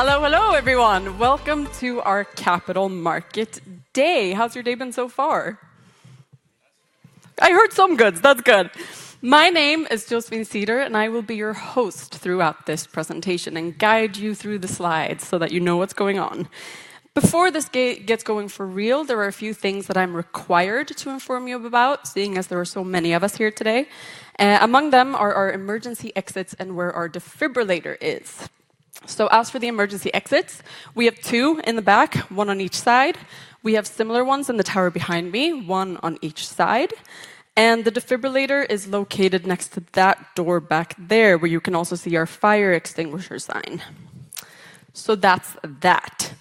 Hello, everyone. Welcome to our Capital Markets Day. How's your day been so far? I heard some good, that's good. My name is Josefin Ceder, and I will be your host throughout this presentation, and guide you through the slides so that you know what's going on. Before this gets going for real, there are a few things that I'm required to inform you about, seeing as there are so many of us here today. Among them are our emergency exits and where our defibrillator is. So as for the emergency exits, we have two in the back, one on each side. We have similar ones in the tower behind me, one on each side, and the defibrillator is located next to that door back there, where you can also see our fire extinguisher sign. So that's that.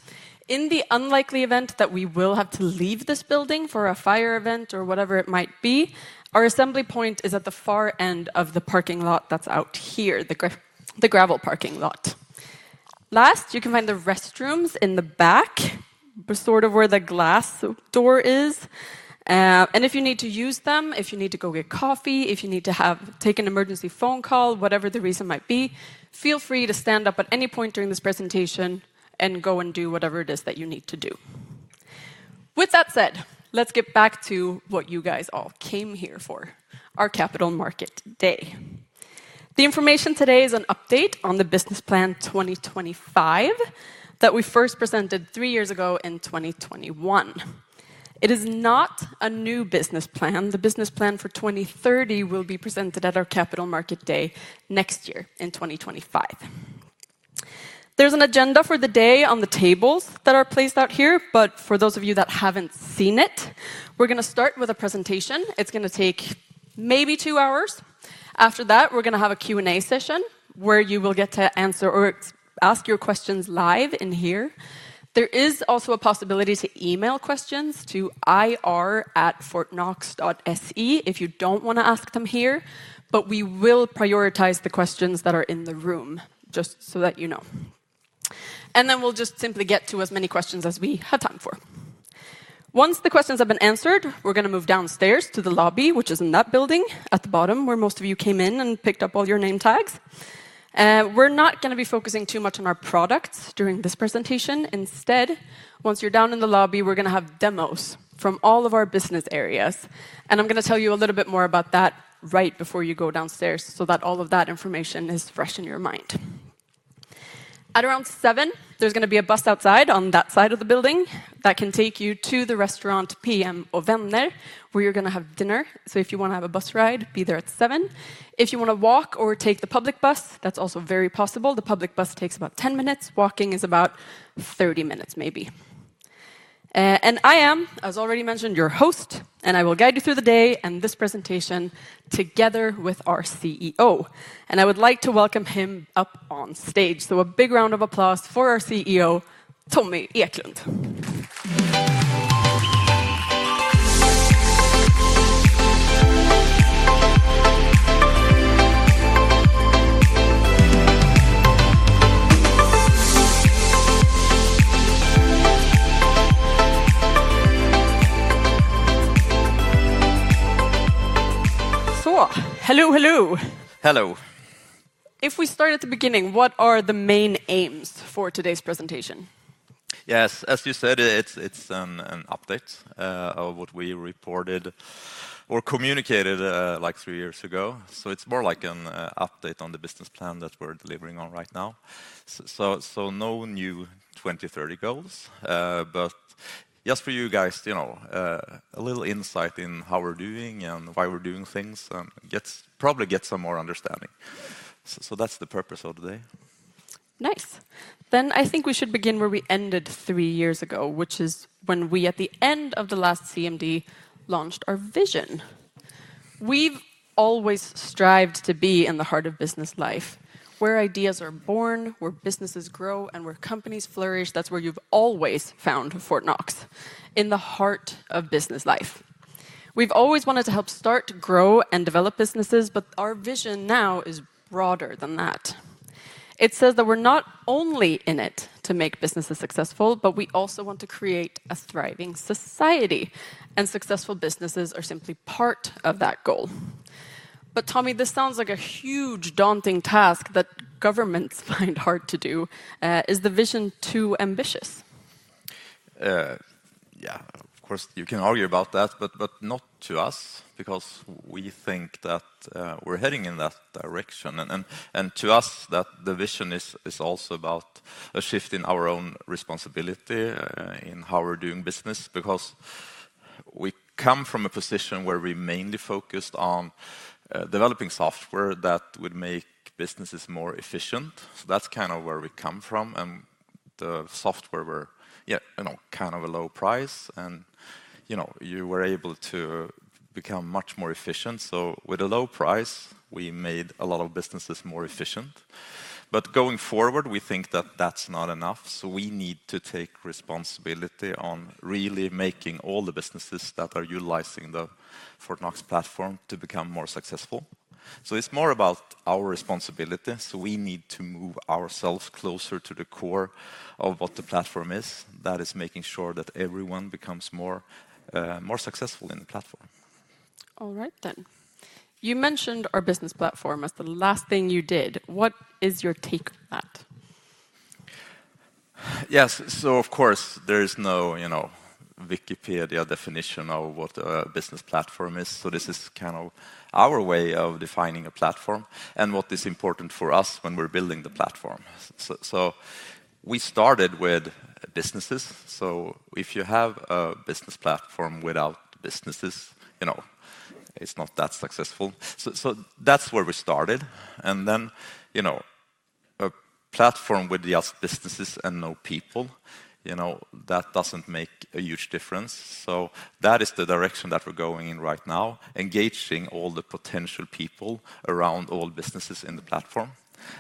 In the unlikely event that we will have to leave this building for a fire event or whatever it might be, our assembly point is at the far end of the parking lot that's out here, the gravel parking lot. Last, you can find the restrooms in the back where the glass door is. And if you need to use them, if you need to go get coffee, if you need to have to take an emergency phone call, whatever the reason might be, feel free to stand up at any point during this presentation and go and do whatever it is that you need to do. With that said, let's get back to what you guys all came here for, our Capital Market Day. The information today is an update on the business plan 2025, that we first presented three years ago in 2021. It is not a new business plan. The business plan for 2030 will be presented at our Capital Market Day next year, in 2025. There's an agenda for the day on the tables that are placed out here, but for those of you that haven't seen it, we're gonna start with a presentation. It's gonna take maybe two hours. After that, we're gonna have a Q&A session, where you will get to answer or ask your questions live in here. There is also a possibility to email questions to ir@fortnox.se, if you don't wanna ask them here, but we will prioritize the questions that are in the room, just so that you know. Then we'll just simply get to as many questions as we have time for. Once the questions have been answered, we're gonna move downstairs to the lobby, which is in that building at the bottom, where most of you came in and picked up all your name tags. We're not gonna be focusing too much on our products during this presentation. Instead, once you're down in the lobby, we're gonna have demos from all of our business areas, and I'm gonna tell you a little bit more about that right before you go downstairs, so that all of that information is fresh in your mind. At around 7:00 P.M., there's gonna be a bus outside on that side of the building, that can take you to the restaurant PM & Vänner, where you're gonna have dinner. So if you wanna have a bus ride, be there at 7:00 P.M. If you wanna walk or take the public bus, that's also very possible. The public bus takes about 10 minutes. Walking is about 30 minutes, maybe. And I am, as already mentioned, your host, and I will guide you through the day and this presentation, together with our CEO. And I would like to welcome him up on stage, so a big round of applause for our CEO, Tommy Eklund. So hello, hello. Hello. If we start at the beginning, what are the main aims for today's presentation? Yes, as you said, it's an update of what we reported or communicated like three years ago. So it's more like an update on the business plan that we're delivering on right now. So no new 2030 goals, but just for you guys, you know, a little insight in how we're doing and why we're doing things, probably get some more understanding. So that's the purpose of today. Nice. Then I think we should begin where we ended three years ago, which is when we, at the end of the last CMD, launched our vision. We've always strived to be in the heart of business life, where ideas are born, where businesses grow, and where companies flourish. That's where you've always found Fortnox, in the heart of business life. We've always wanted to help start, grow, and develop businesses, but our vision now is broader than that. It says that we're not only in it to make businesses successful, but we also want to create a thriving society, and successful businesses are simply part of that goal. But Tommy, this sounds like a huge, daunting task that governments find hard to do. Is the vision too ambitious? Of course, you can argue about that, but not to us, because we think that we're heading in that direction. And to us, that the vision is also about a shift in our own responsibility in how we're doing business, because we come from a position where we mainly focused on developing software that would make businesses more efficient. So that's where we come from, and the software were a low price and, you know, you were able to become much more efficient. So with a low price, we made a lot of businesses more efficient. But going forward, we think that that's not enough, so we need to take responsibility on really making all the businesses that are utilizing the Fortnox platform to become more successful. So it's more about our responsibility, so we need to move ourselves closer to the core of what the platform is. That is making sure that everyone becomes more, more successful in the platform. All right then. You mentioned our business platform as the last thing you did. What is your take on that? Yes, so of course, there is no, you know, Wikipedia definition of what a business platform is, so this is our way of defining a platform, and what is important for us when we're building the platform. So we started with businesses, so if you have a business platform without businesses, you know, it's not that successful. So that's where we started, and then, you know, a platform with just businesses and no people, you know, that doesn't make a huge difference. So that is the direction that we're going in right now, engaging all the potential people around all businesses in the platform,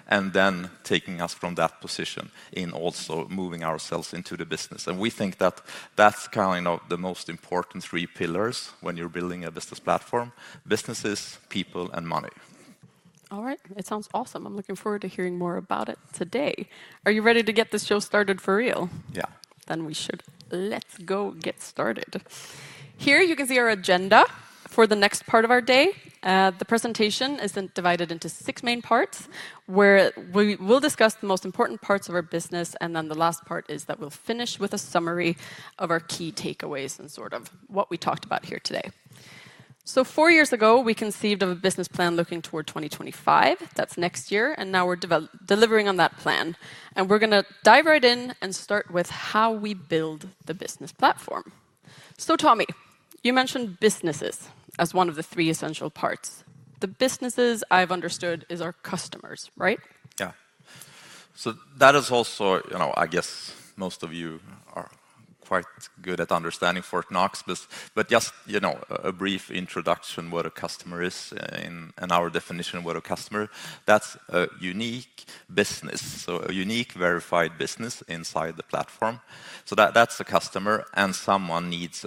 and then taking us from that position, and also moving ourselves into the business. And we think that that's the most important three pillars when you're building a business platform: businesses, people, and money. All right. It sounds awesome. I'm looking forward to hearing more about it today. Are you ready to get this show started for rea Then we should, let's go get started. Here you can see our agenda for the next part of our day. The presentation is then divided into six main parts, where we will discuss the most important parts of our business, and then the last part is that we'll finish with a summary of our key takeaways and what we talked about here today. So four years ago, we conceived of a business plan looking toward 2025, that's next year, and now we're delivering on that plan. And we're gonna dive right in and start with how we build the business platform. So Tommy, you mentioned businesses as one of the three essential parts. The businesses I've understood, is our customers, right? So that is also, you know, I guess most of you are quite good at understanding Fortnox, but just, you know, a brief introduction what a customer is, and our definition of what a customer. That's a unique business, so a unique verified business inside the platform. So that's a customer, and someone needs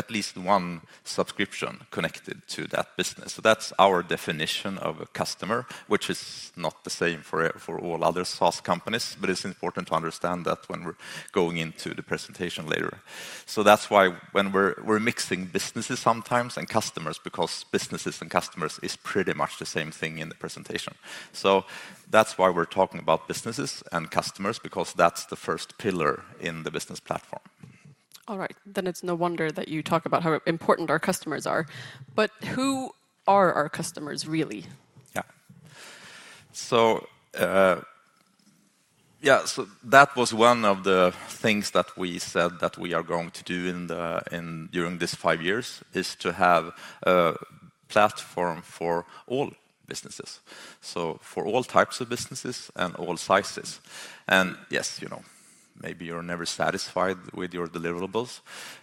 at least one subscription connected to that business. So that's our definition of a customer, which is not the same for all other SaaS companies, but it's important to understand that when we're going into the presentation later. So that's why when we're mixing businesses sometimes and customers, because businesses and customers is pretty much the same thing in the presentation. So that's why we're talking about businesses and customers, because that's the first pillar in the business platform. All right. Then it's no wonder that you talk about how important our customers are. But who are our customers, really? So that was one of the things that we said that we are going to do during this five years, is to have a platform for all businesses, so for all types of businesses and all sizes. And yes, you know, maybe you're never satisfied with your deliverables,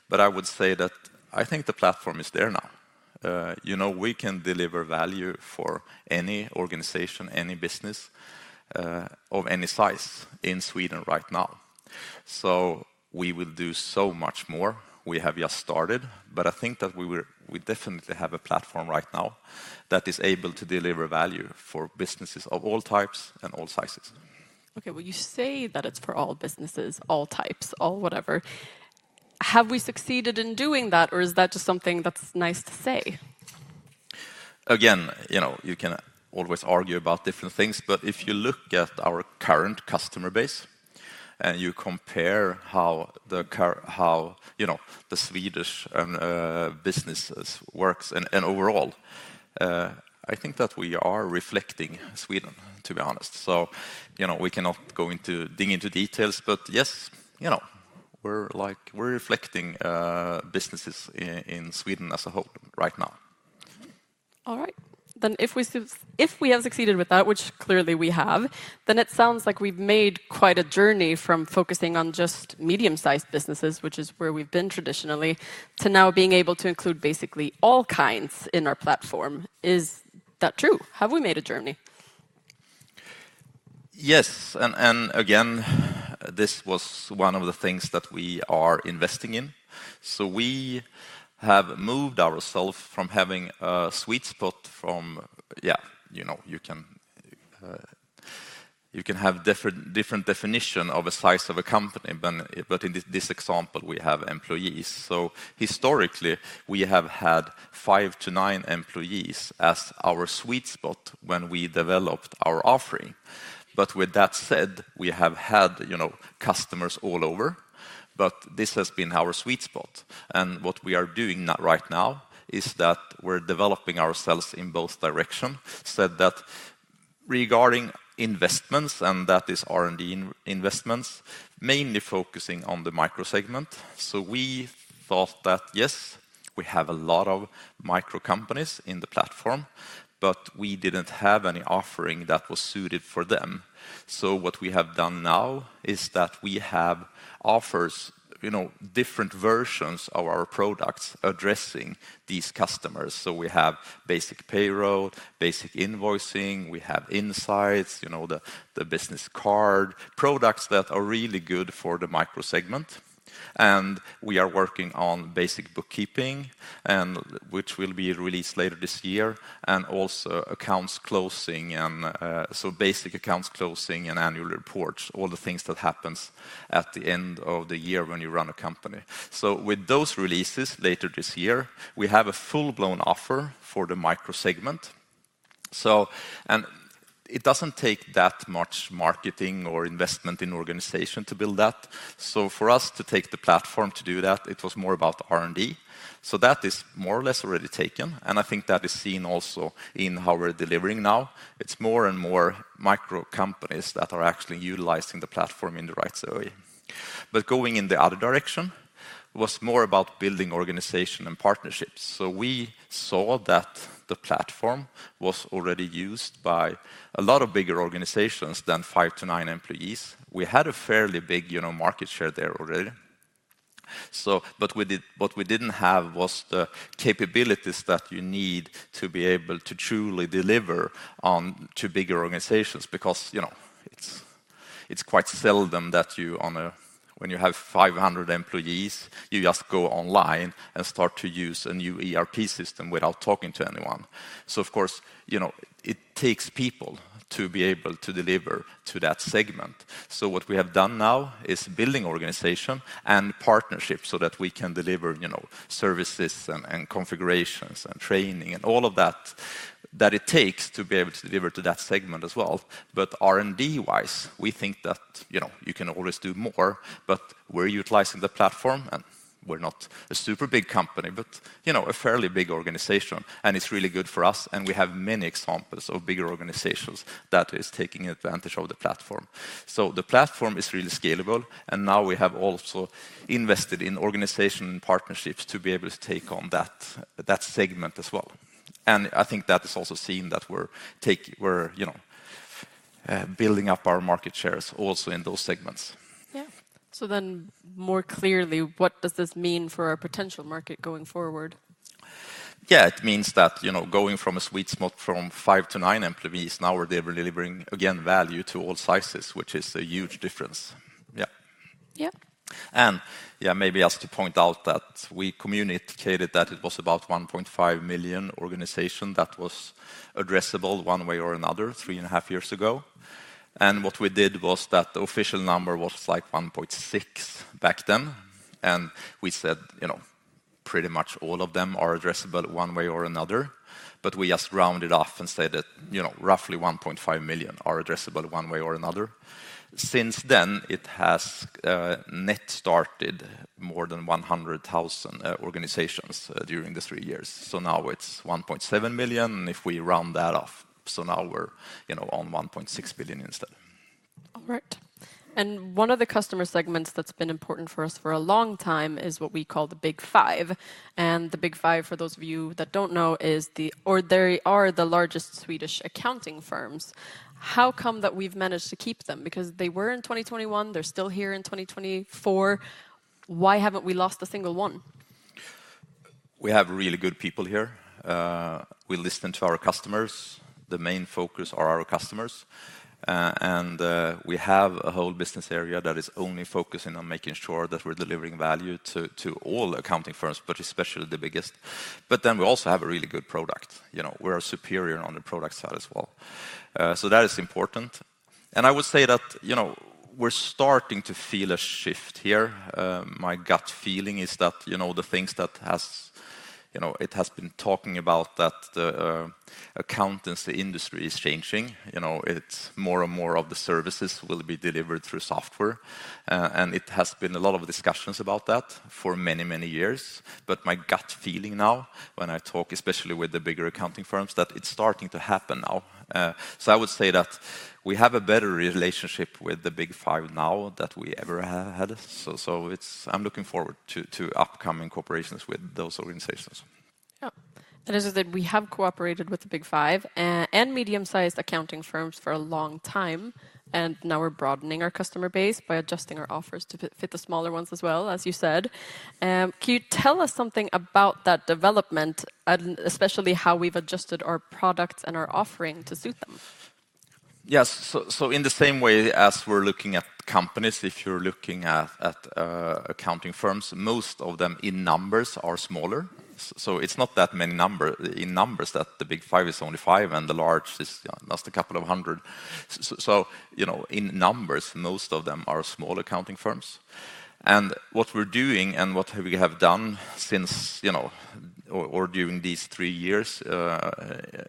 but I would say that I think the platform is there now. You know, we can deliver value for any organization, any business, of any size in Sweden right now. So we will do so much more. We have just started, but I think that we will, we definitely have a platform right now that is able to deliver value for businesses of all types and all sizes. Okay, well, you say that it's for all businesses, all types, all whatever. Have we succeeded in doing that, or is that just something that's nice to say? Again, you know, you can always argue about different things, but if you look at our current customer base, and you compare how, you know, the Swedish businesses works, and overall, I think that we are reflecting Sweden, to be honest. So, you know, we cannot go into, dig into details, but yes, you know, we're like, we're reflecting businesses in, in Sweden as a whole right now. All right. Then if we have succeeded with that, which clearly we have, then it sounds like we've made quite a journey from focusing on just medium-sized businesses, which is where we've been traditionally, to now being able to include basically all kinds in our platform. Is that true? Have we made a journey? Yes, and, and again, this was one of the things that we are investing in. So we have moved ourself from having a sweet spot from you know, you can, you can have different, different definition of a size of a company, than, but in this, this example, we have employees. So historically, we have had 5-9 employees as our sweet spot when we developed our offering. But with that said, we have had, you know, customers all over, but this has been our sweet spot. And what we are doing now, right now, is that we're developing ourselves in both direction, so that regarding investments, and that is R&D investments, mainly focusing on the micro segment. So we thought that, yes, we have a lot of micro companies in the platform, but we didn't have any offering that was suited for them. So what we have done now is that we have offers, you know, different versions of our products addressing these customers. So we have basic payroll, basic invoicing, we have insights, you know, the, the business card, products that are really good for the micro segment. And we are working on basic bookkeeping, and which will be released later this year, and also accounts closing and, so basic accounts closing and annual reports, all the things that happens at the end of the year when you run a company. So with those releases later this year, we have a full-blown offer for the micro segment. So, and it doesn't take that much marketing or investment in organization to build that. So for us to take the platform to do that, it was more about the R&D. So that is more or less already taken, and I think that is seen also in how we're delivering now. It's more and more micro companies that are actually utilizing the platform in the right way. But going in the other direction was more about building organization and partnerships. So we saw that the platform was already used by a lot of bigger organizations than 5-9 employees. We had a fairly big, you know, market share there already. So, but what we didn't have was the capabilities that you need to be able to truly deliver to bigger organizations, because, you know, it's quite seldom that you on a, when you have 500 employees, you just go online and start to use a new ERP system without talking to anyone. So, of course, you know, it takes people to be able to deliver to that segment. So what we have done now is building organization and partnerships so that we can deliver, you know, services and, and configurations, and training, and all of that, that it takes to be able to deliver to that segment as well. But R&D-wise, we think that, you know, you can always do more, but we're utilizing the platform, and we're not a super big company, but, you know, a fairly big organization, and it's really good for us, and we have many examples of bigger organizations that is taking advantage of the platform. So the platform is really scalable, and now we have also invested in organization and partnerships to be able to take on that, that segment as well. I think that is also seen that we're, you know, building up our market shares also in those segments. So then, more clearly, what does this mean for our potential market going forward? It means that, you know, going from a sweet spot from 5 to 9 employees, now we're delivering, again, value to all sizes, which is a huge difference. Yep. Maybe just to point out that we communicated that it was about 1.5 million organizations that were addressable one way or another, 3.5 years ago. What we did was that the official number was, like, 1.6 back then, and we said, you know, pretty much all of them are addressable one way or another, but we just rounded off and said that, you know, roughly 1.5 million are addressable one way or another. Since then, it has net started more than 100,000 organizations during the 3 years, so now it's 1.7 million, if we round that off. Now we're, you know, on 1.6 billion instead. All right. And one of the customer segments that's been important for us for a long time is what we call the Big Five, and the Big Five, for those of you that don't know or they are the largest Swedish accounting firms. How come that we've managed to keep them? Because they were in 2021, they're still here in 2024. Why haven't we lost a single one? We have really good people here. We listen to our customers. The main focus are our customers. We have a whole business area that is only focusing on making sure that we're delivering value to all accounting firms, but especially the biggest. But then we also have a really good product. You know, we're superior on the product side as well. So that is important. I would say that, you know, we're starting to feel a shift here. My gut feeling is that, you know, the things that has, you know, it has been talking about that the accountants, the industry is changing. You know, it's more and more of the services will be delivered through software, and it has been a lot of discussions about that for many, many years. But my gut feeling now, when I talk, especially with the bigger accounting firms, that it's starting to happen now. So I would say that we have a better relationship with the Big Five now than we ever had. So it's I'm looking forward to upcoming cooperations with those organizations. And is it that we have cooperated with the Big Five and medium-sized accounting firms for a long time, and now we're broadening our customer base by adjusting our offers to fit, fit the smaller ones as well, as you said. Can you tell us something about that development, and especially how we've adjusted our products and our offering to suit them? Yes. So in the same way, as we're looking at companies, if you're looking at accounting firms, most of them, in numbers, are smaller. So it's not that many number. In numbers, that the Big Five is only five, and the large is just a couple of hundred. So, you know, in numbers, most of them are small accounting firms. And what we're doing and what we have done since, you know, or during these three years,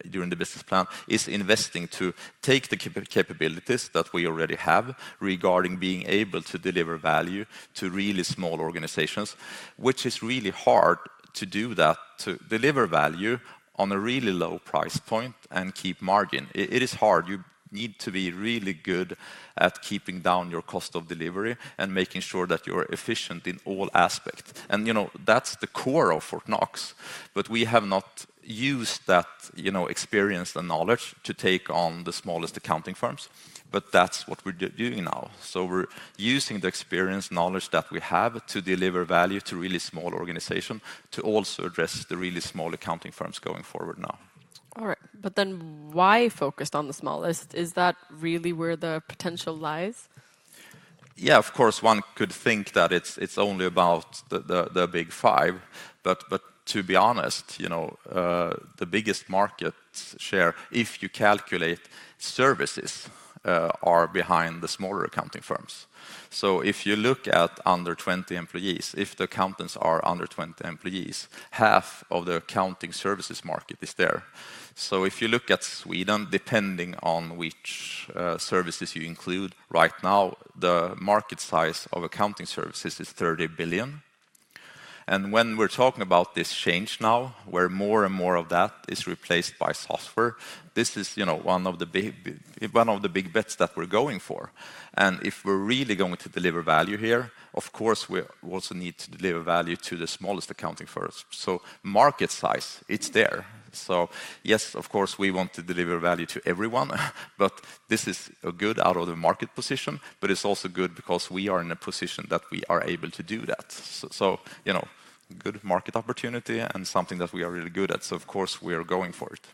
during the business plan, is investing to take the capabilities that we already have regarding being able to deliver value to really small organizations, which is really hard to do that, to deliver value on a really low price point and keep margin. It is hard. You need to be really good at keeping down your cost of delivery and making sure that you're efficient in all aspects. And, you know, that's the core of Fortnox, but we have not used that, you know, experience and knowledge to take on the smallest accounting firms, but that's what we're doing now. So we're using the experience, knowledge that we have to deliver value to really small organization, to also address the really small accounting firms going forward now. All right, but then why focused on the smallest? Is that really where the potential lies? Of course, one could think that it's only about the Big Five, but to be honest, you know, the biggest market share, if you calculate services, are behind the smaller accounting firms. So if you look at under 20 employees, if the accountants are under 20 employees, half of the accounting services market is there. So if you look at Sweden, depending on which services you include, right now, the market size of accounting services is 30 billion. And when we're talking about this change now, where more and more of that is replaced by software, this is, you know, one of the big bets that we're going for. And if we're really going to deliver value here, of course, we also need to deliver value to the smallest accounting firms. So market size, it's there. Yes, of course, we want to deliver value to everyone, but this is a good out of the market position, but it's also good because we are in a position that we are able to do that. So, you know, good market opportunity and something that we are really good at, so of course, we are going for it.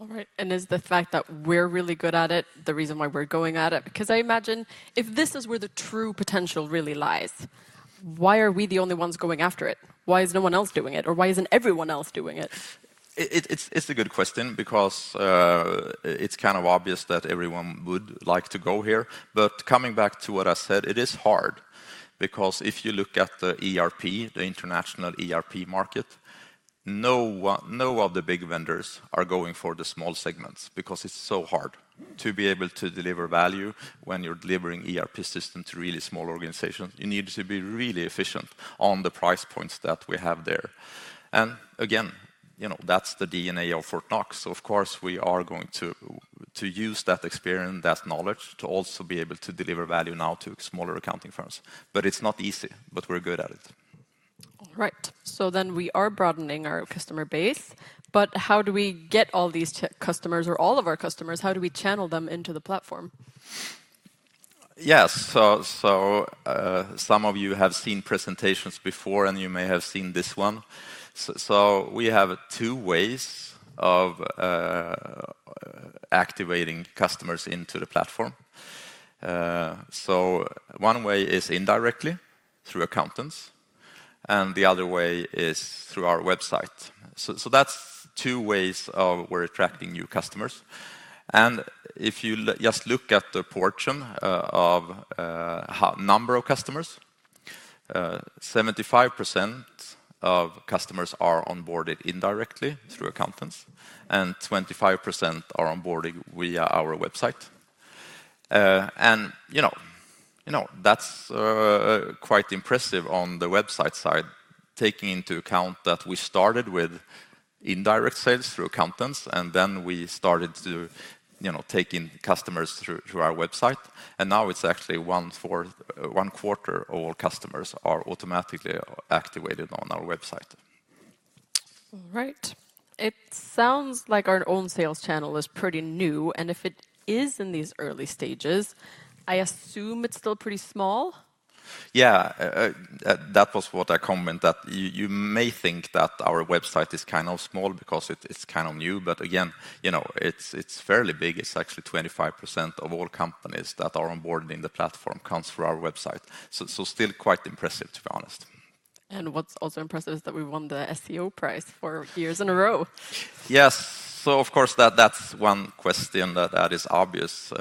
All right. Is the fact that we're really good at it, the reason why we're going at it? Because I imagine if this is where the true potential really lies, why are we the only ones going after it? Why is no one else doing it, or why isn't everyone else doing it? It's a good question because it's obvious that everyone would like to go here. But coming back to what I said, it is hard, because if you look at the ERP, the international ERP market, none of the big vendors are going for the small segments because it's so hard to be able to deliver value when you're delivering ERP system to really small organizations. You need to be really efficient on the price points that we have there. And again, you know, that's the DNA of Fortnox. So of course, we are going to use that experience, that knowledge, to also be able to deliver value now to smaller accounting firms. But it's not easy, but we're good at it. All right. So then we are broadening our customer base, but how do we get all these customers or all of our customers, how do we channel them into the platform? Yes. So, some of you have seen presentations before, and you may have seen this one. So, we have two ways of activating customers into the platform. So, one way is indirectly, through accountants, and the other way is through our website. So, that's two ways of we're attracting new customers. And if you just look at the portion of number of customers, 75% of customers are onboarded indirectly through accountants, and 25% are onboarding via our website. And you know, that's quite impressive on the website side, taking into account that we started with indirect sales through accountants, and then we started to, you know, taking customers through our website. And now it's actually one quarter of all customers are automatically activated on our website. All right. It sounds like our own sales channel is pretty new, and if it is in these early stages, I assume it's still pretty small. That was what I comment, that you may think that our website is small because it's new, but again, you know, it's fairly big. It's actually 25% of all companies that are onboarding the platform comes through our website, so still quite impressive, to be honest. What's also impressive is that we won the SEO Prize four years in a row. Yes. So of course, that, that's one question that, that is obvious.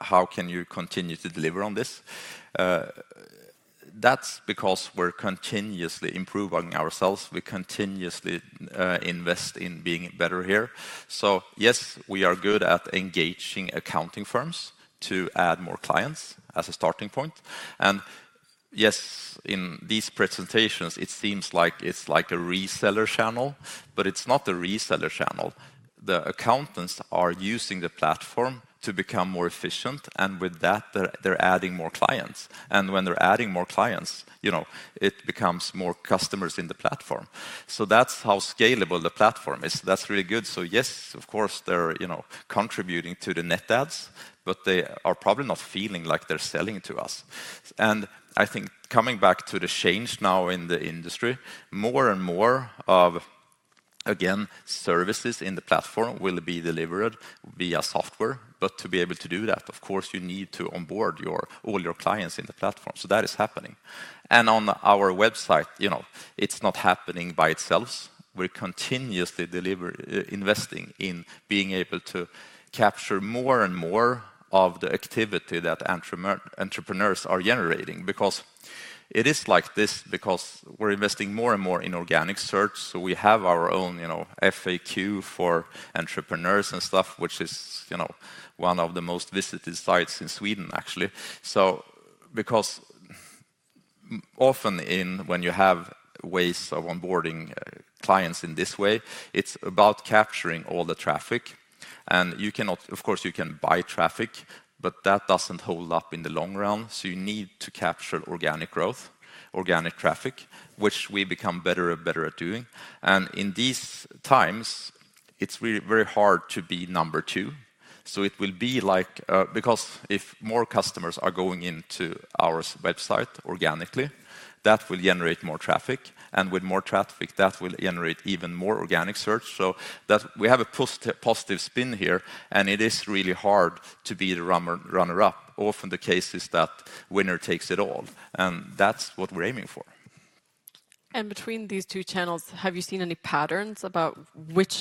How can you continue to deliver on this? That's because we're continuously improving ourselves. We continuously invest in being better here. So yes, we are good at engaging accounting firms to add more clients as a starting point, and yes, in these presentations, it seems like it's like a reseller channel, but it's not a reseller channel. The accountants are using the platform to become more efficient, and with that, they're, they're adding more clients. And when they're adding more clients, you know, it becomes more customers in the platform. So that's how scalable the platform is. That's really good. So yes, of course, they're, you know, contributing to the net adds, but they are probably not feeling like they're selling to us. I think coming back to the change now in the industry, more and more of, again, services in the platform will be delivered via software. But to be able to do that, of course, you need to onboard your all your clients in the platform. So that is happening. On our website, you know, it's not happening by itself. We're continuously investing in being able to capture more and more of the activity that entrepreneurs are generating. Because it is like this, because we're investing more and more in organic search, so we have our own, you know, FAQ for entrepreneurs and stuff, which is, you know, one of the most visited sites in Sweden, actually. So because often when you have ways of onboarding clients in this way, it's about capturing all the traffic, and you cannot- of course, you can buy traffic, but that doesn't hold up in the long run. So you need to capture organic growth, organic traffic, which we become better and better at doing. And in these times, it's really very hard to be number two, so it will be like, because if more customers are going into our website organically, that will generate more traffic, and with more traffic, that will generate even more organic search. So that, we have a positive spin here, and it is really hard to be the runner-up. Often, the case is that winner takes it all, and that's what we're aiming for. Between these two channels, have you seen any patterns about which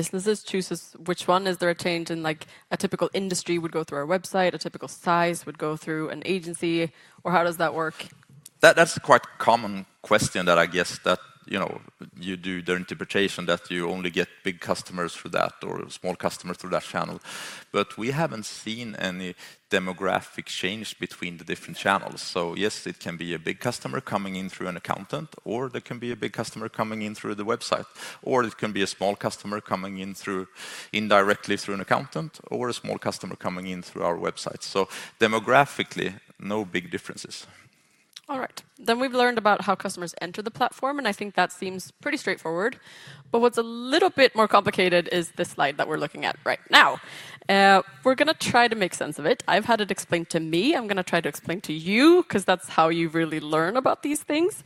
businesses chooses which one? Is there a change in, like, a typical industry would go through our website, a typical size would go through an agency, or how does that work? That's a quite common question that I guess that, you know, you do the interpretation that you only get big customers through that or small customers through that channel. But we haven't seen any demographic change between the different channels. So yes, it can be a big customer coming in through an accountant, or there can be a big customer coming in through the website, or it can be a small customer coming in through indirectly through an accountant, or a small customer coming in through our website. So demographically, no big differences. All right. Then we've learned about how customers enter the platform, and I think that seems pretty straightforward. But what's a little bit more complicated is this slide that we're looking at right now. We're gonna try to make sense of it. I've had it explained to me. I'm gonna try to explain to you, 'cause that's how you really learn about these things,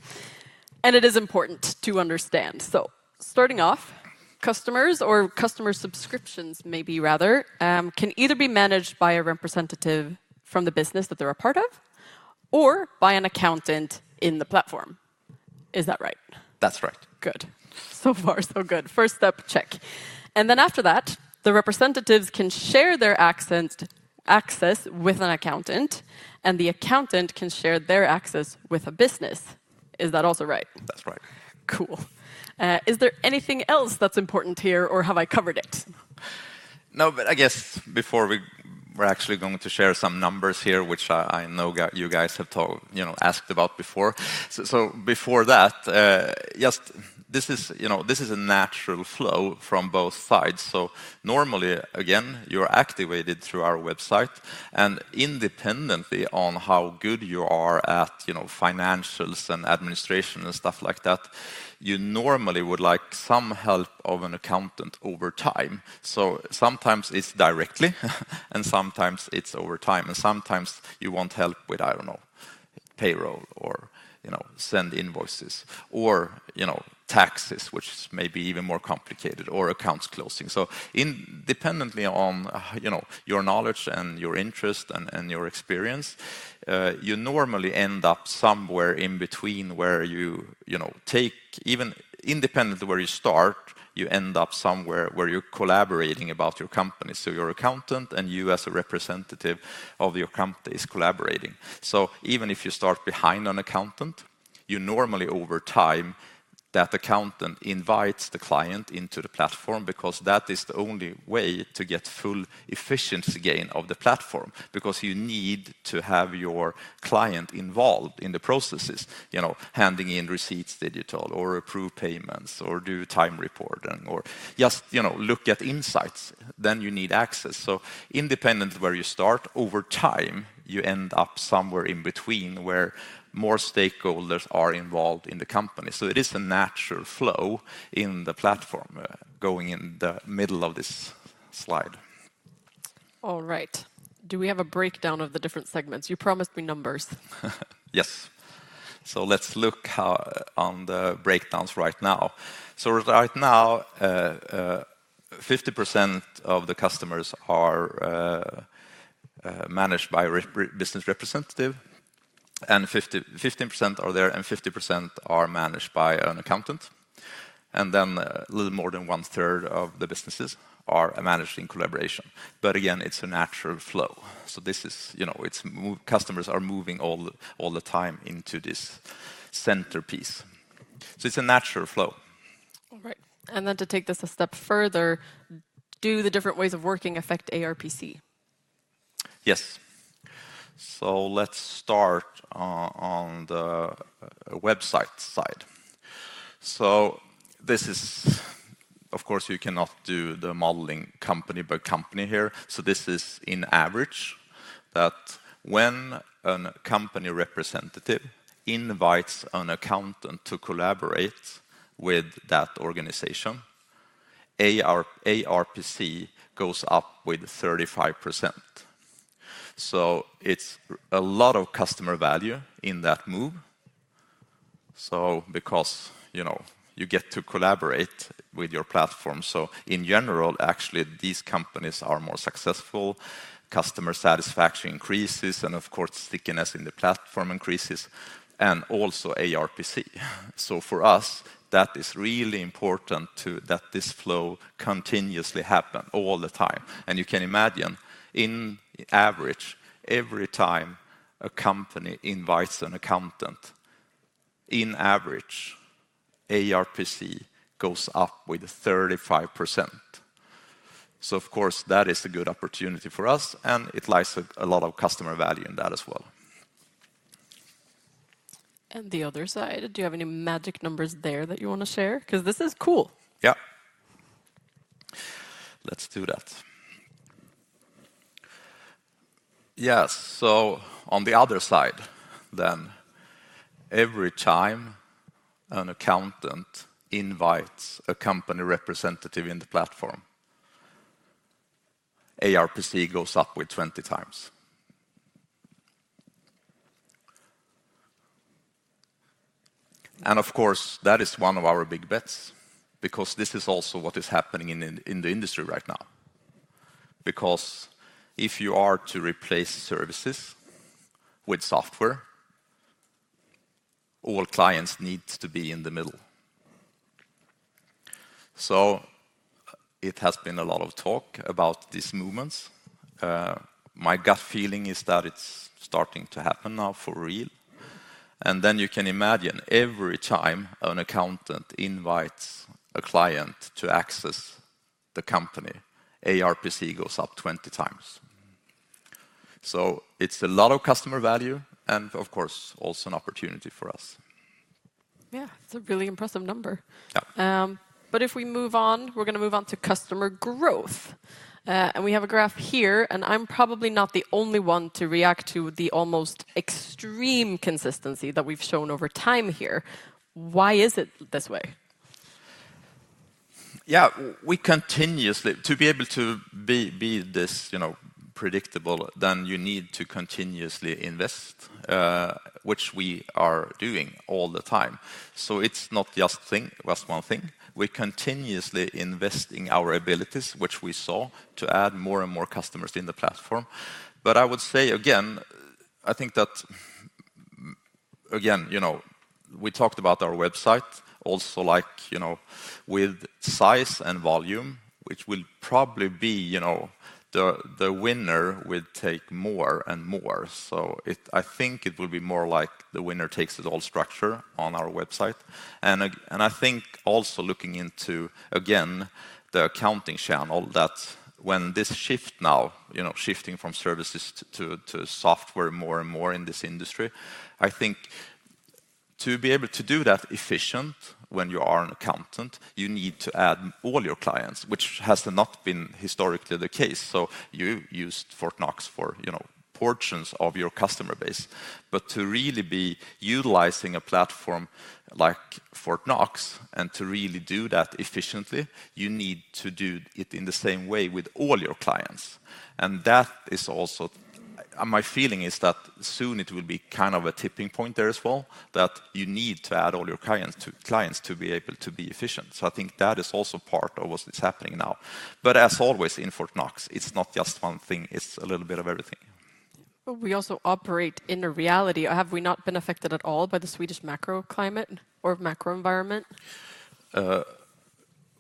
and it is important to understand. So starting off, customers or customer subscriptions, maybe rather, can either be managed by a representative from the business that they're a part of, or by an accountant in the platform. Is that right? That's right. Good. So far, so good. First step, check. And then after that, the representatives can share their access with an accountant, and the accountant can share their access with a business. Is that also right? That's right. Cool. Is there anything else that's important here, or have I covered it? No, but I guess before we we're actually going to share some numbers here, which I know guys you guys have told. Asked about before. So before that, just this is, you know, this is a natural flow from both sides. So normally, again, you're activated through our website, and independently on how good you are at, you know, financials and administration and stuff like that, you normally would like some help of an accountant over time. So sometimes it's directly, and sometimes it's over time, and sometimes you want help with, I don't know, payroll or, you know, send invoices or, you know, taxes, which may be even more complicated, or accounts closing. So independently on, you know, your knowledge and your interest and your experience, you normally end up somewhere in between where you, you know, take even independently where you start, you end up somewhere where you're collaborating about your company. So your accountant and you as a representative of your company is collaborating. So even if you start behind an accountant, you normally over time, that accountant invites the client into the platform because that is the only way to get full efficiency gain of the platform. Because you need to have your client involved in the processes, you know, handing in receipts digital, or approve payments, or do time reporting, or just, you know, look at insights, then you need access. So independently where you start, over time, you end up somewhere in between, where more stakeholders are involved in the company. So it is a natural flow in the platform, going in the middle of this slide. All right. Do we have a breakdown of the different segments? You promised me numbers. Yes. So let's look on the breakdowns right now. So right now, 50% of the customers are managed by a business representative, and 15% are there, and 50% are managed by an accountant. And then a little more than one-third of the businesses are managed in collaboration. But again, it's a natural flow. So this is, you know, customers are moving all the time into this centerpiece. So it's a natural flow. All right. To take this a step further, do the different ways of working affect ARPC? Yes. So let's start on the website side. So this is, of course, you cannot do the modeling company by company here, so this is in average, that when a company representative invites an accountant to collaborate with that organization, ARPC goes up with 35%. So it's a lot of customer value in that move. So because, you know, you get to collaborate with your platform, so in general, actually, these companies are more successful, customer satisfaction increases, and of course, stickiness in the platform increases, and also ARPC. So for us, that is really important to that this flow continuously happen all the time. And you can imagine, in average, every time a company invites an accountant, in average, ARPC goes up with 35%. Of course, that is a good opportunity for us, and it lies a lot of customer value in that as well. The other side, do you have any magic numbers there that you wanna share? 'Cause this is cool. Let's do that. Yes. So on the other side, then, every time an accountant invites a company representative in the platform, ARPC goes up with 20 times. And of course, that is one of our big bets, because this is also what is happening in the, in the industry right now, because if you are to replace services with software, all clients need to be in the middle. So it has been a lot of talk about these movements. My gut feeling is that it's starting to happen now for real, and then you can imagine every time an accountant invites a client to access the company, ARPC goes up 20 times. So it's a lot of customer value, and of course, also an opportunity for us. It's a really impressive number. If we move on, we're gonna move on to customer growth. We have a graph here, and I'm probably not the only one to react to the almost extreme consistency that we've shown over time here. Why is it this way? We continuously be able to be this, you know, predictable, then you need to continuously invest, which we are doing all the time. So it's not just one thing. We're continuously investing our abilities, which we saw, to add more and more customers in the platform. But I would say again, I think that, again, you know, we talked about our website. Also, like, you know, with size and volume, which will probably be, you know, the winner will take more and more. So I think it will be more like the winner-takes-it-all structure on our website. I think also looking into, again, the accounting channel, that when this shift now, you know, shifting from services to software more and more in this industry, I think to be able to do that efficient when you are an accountant, you need to add all your clients, which has not been historically the case. So you used Fortnox for, you know, portions of your customer base. But to really be utilizing a platform like Fortnox and to really do that efficiently, you need to do it in the same way with all your clients, and that is also. My feeling is that soon it will be a tipping point there as well, that you need to add all your clients to clients to be able to be efficient. So I think that is also part of what is happening now. As always in Fortnox, it's not just one thing, it's a little bit of everything. But we also operate in a reality. Have we not been affected at all by the Swedish macro climate or macro environment?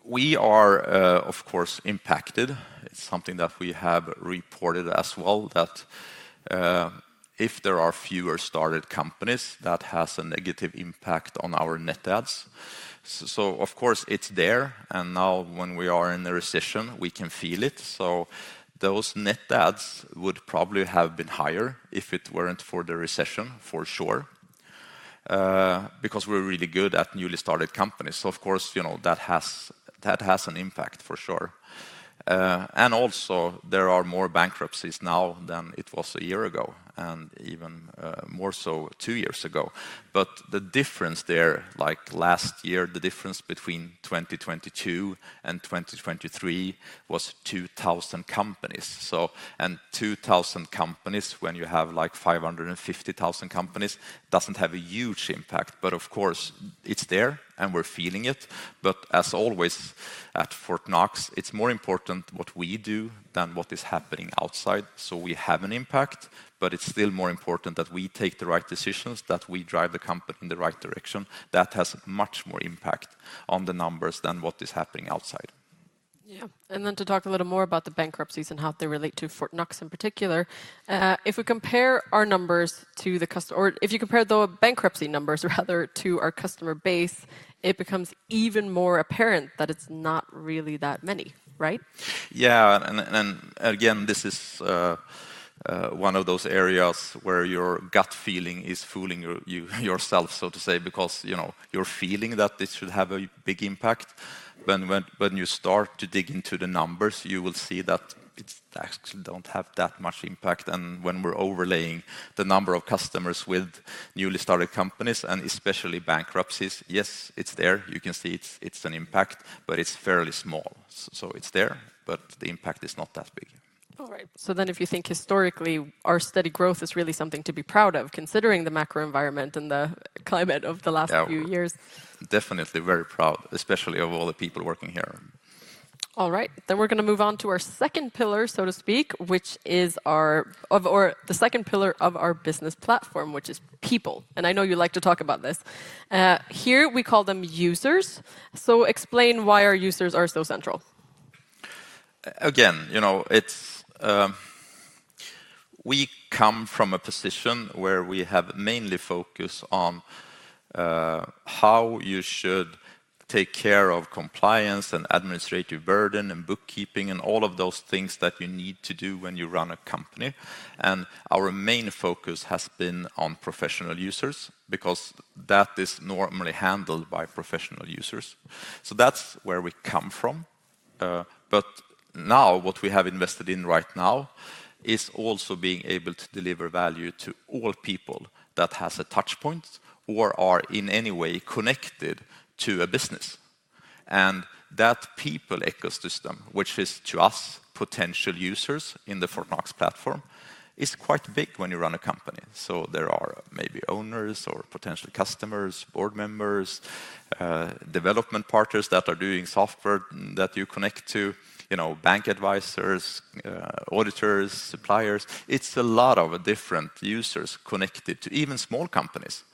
We are, of course, impacted. It's something that we have reported as well, that, if there are fewer started companies, that has a negative impact on our net adds. So, so of course, it's there, and now when we are in the recession, we can feel it. So those net adds would probably have been higher if it weren't for the recession, for sure, because we're really good at newly started companies. So of course, you know, that has, that has an impact, for sure. And also there are more bankruptcies now than it was a year ago, and even, more so two years ago. But the difference there, like last year, the difference between 2022 and 2023 was 2,000 companies. So, and 2,000 companies, when you have, like, 550,000 companies, doesn't have a huge impact, but of course, it's there, and we're feeling it. But as always, at Fortnox, it's more important what we do than what is happening outside. So we have an impact, but it's still more important that we take the right decisions, that we drive the company in the right direction. That has much more impact on the numbers than what is happening outside. And then to talk a little more about the bankruptcies and how they relate to Fortnox in particular, if you compare the bankruptcy numbers, rather, to our customer base, it becomes even more apparent that it's not really that many, right? And again, this is one of those areas where your gut feeling is fooling you yourself, so to say, because, you know, you're feeling that this should have a big impact. When you start to dig into the numbers, you will see that it's actually don't have that much impact. And when we're overlaying the number of customers with newly started companies, and especially bankruptcies, yes, it's there. You can see it's an impact, but it's fairly small. So it's there, but the impact is not that big. All right. So then if you think historically, our steady growth is really something to be proud of, considering the macro environment and the climate of the last few years. Definitely very proud, especially of all the people working here. All right. Then we're gonna move on to our second pillar, so to speak, which is our or the second pillar of our business platform, which is people. And I know you like to talk about this. Here, we call them users. So explain why our users are so central. Again, you know, it's we come from a position where we have mainly focused on how you should take care of compliance and administrative burden and bookkeeping, and all of those things that you need to do when you run a company. And our main focus has been on professional users, because that is normally handled by professional users. So that's where we come from. But now, what we have invested in right now is also being able to deliver value to all people that has a touch point or are in any way connected to a business. And that people ecosystem, which is to us, potential users in the Fortnox platform, is quite big when you run a company. There are maybe owners or potential customers, board members, development partners that are doing software that you connect to, you know, bank advisors, auditors, suppliers. It's a lot of different users connected to even small companies,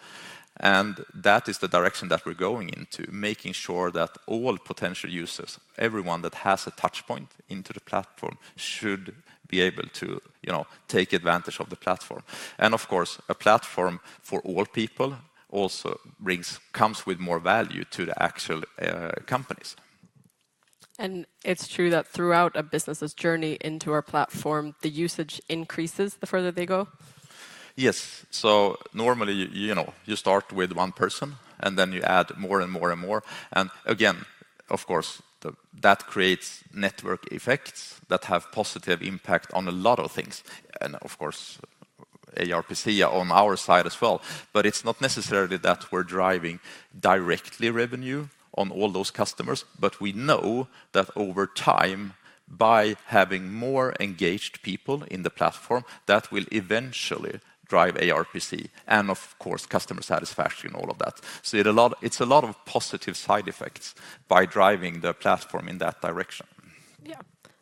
and that is the direction that we're going into, making sure that all potential users, everyone that has a touch point into the platform, should be able to, you know, take advantage of the platform. Of course, a platform for all people also brings, comes with more value to the actual companies. It's true that throughout a business's journey into our platform, the usage increases the further they go? Yes. So normally, you know, you start with one person, and then you add more and more and more. And again, of course, the, that creates network effects that have positive impact on a lot of things, and of course, ARPC on our side as well. But it's not necessarily that we're driving directly revenue on all those customers, but we know that over time, by having more engaged people in the platform, that will eventually drive ARPC, and of course, customer satisfaction, all of that. So it's a lot, it's a lot of positive side effects by driving the platform in that direction.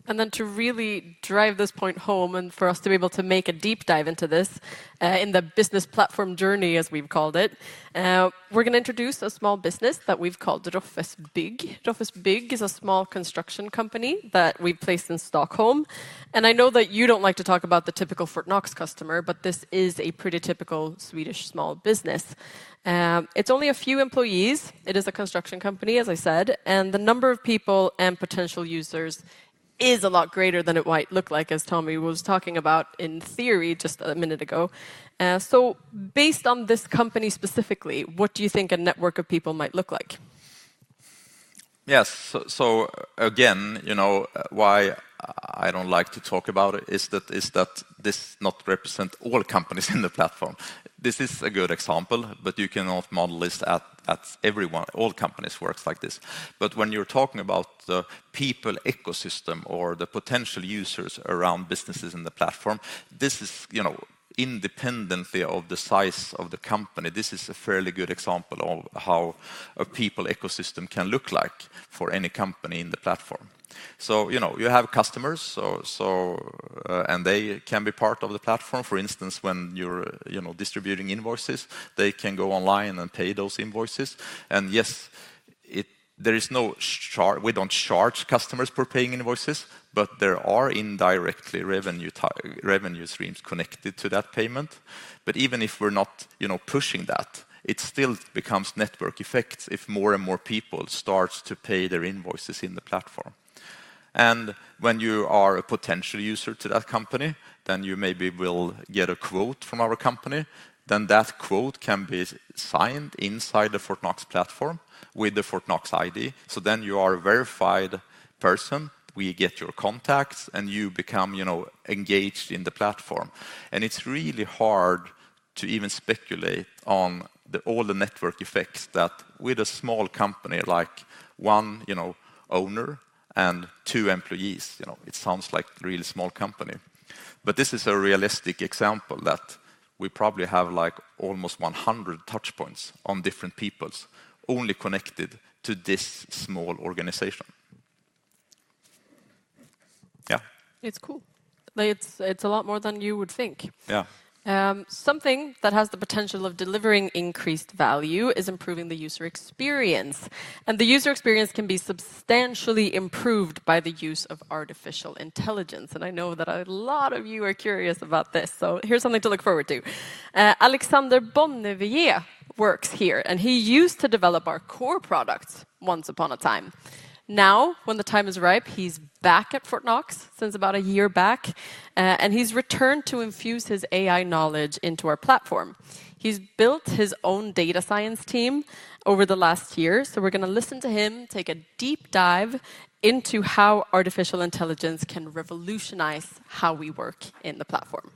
And then to really drive this point home and for us to be able to make a deep dive into this, in the business platform journey, as we've called it, we're gonna introduce a small business that we've called Roffes Bygg. Roffes Bygg is a small construction company that we placed in Stockholm, and I know that you don't like to talk about the typical Fortnox customer, but this is a pretty typical Swedish small business. It's only a few employees. It is a construction company, as I said, and the number of people and potential users is a lot greater than it might look like, as Tommy was talking about in theory just a minute ago. So based on this company specifically, what do you think a network of people might look like? Yes. So again, you know, why I don't like to talk about it is that this not represent all companies in the platform. This is a good example, but you cannot model this at everyone. All companies works like this. But when you're talking about the people ecosystem or the potential users around businesses in the platform, this is, you know, independently of the size of the company, this is a fairly good example of how a people ecosystem can look like for any company in the platform. So, you know, you have customers, so, and they can be part of the platform. For instance, when you're, you know, distributing invoices, they can go online and pay those invoices. And yes, there is no charge. We don't charge customers for paying invoices, but there are indirect revenue streams connected to that payment. But even if we're not, you know, pushing that, it still becomes network effects if more and more people starts to pay their invoices in the platform. And when you are a potential user to that company, then you maybe will get a quote from our company, then that quote can be signed inside the Fortnox platform with the Fortnox ID. So then you are a verified person, we get your contacts, and you become, you know, engaged in the platform. And it's really hard to even speculate on all the network effects that with a small company like one, you know, owner and two employees, you know, it sounds like a really small company. But this is a realistic example that we probably have, like, almost 100 touch points on different people only connected to this small organization. It's cool. It's, it's a lot more than you would think. Something that has the potential of delivering increased value is improving the user experience, and the user experience can be substantially improved by the use of artificial intelligence. And I know that a lot of you are curious about this, so here's something to look forward to. Alexander Bonnevier works here, and he used to develop our core products once upon a time. Now, when the time is ripe, he's back at Fortnox since about a year back, and he's returned to infuse his AI knowledge into our platform. He's built his own data science team over the last year, so we're gonna listen to him take a deep dive into how artificial intelligence can revolutionize how we work in the platform.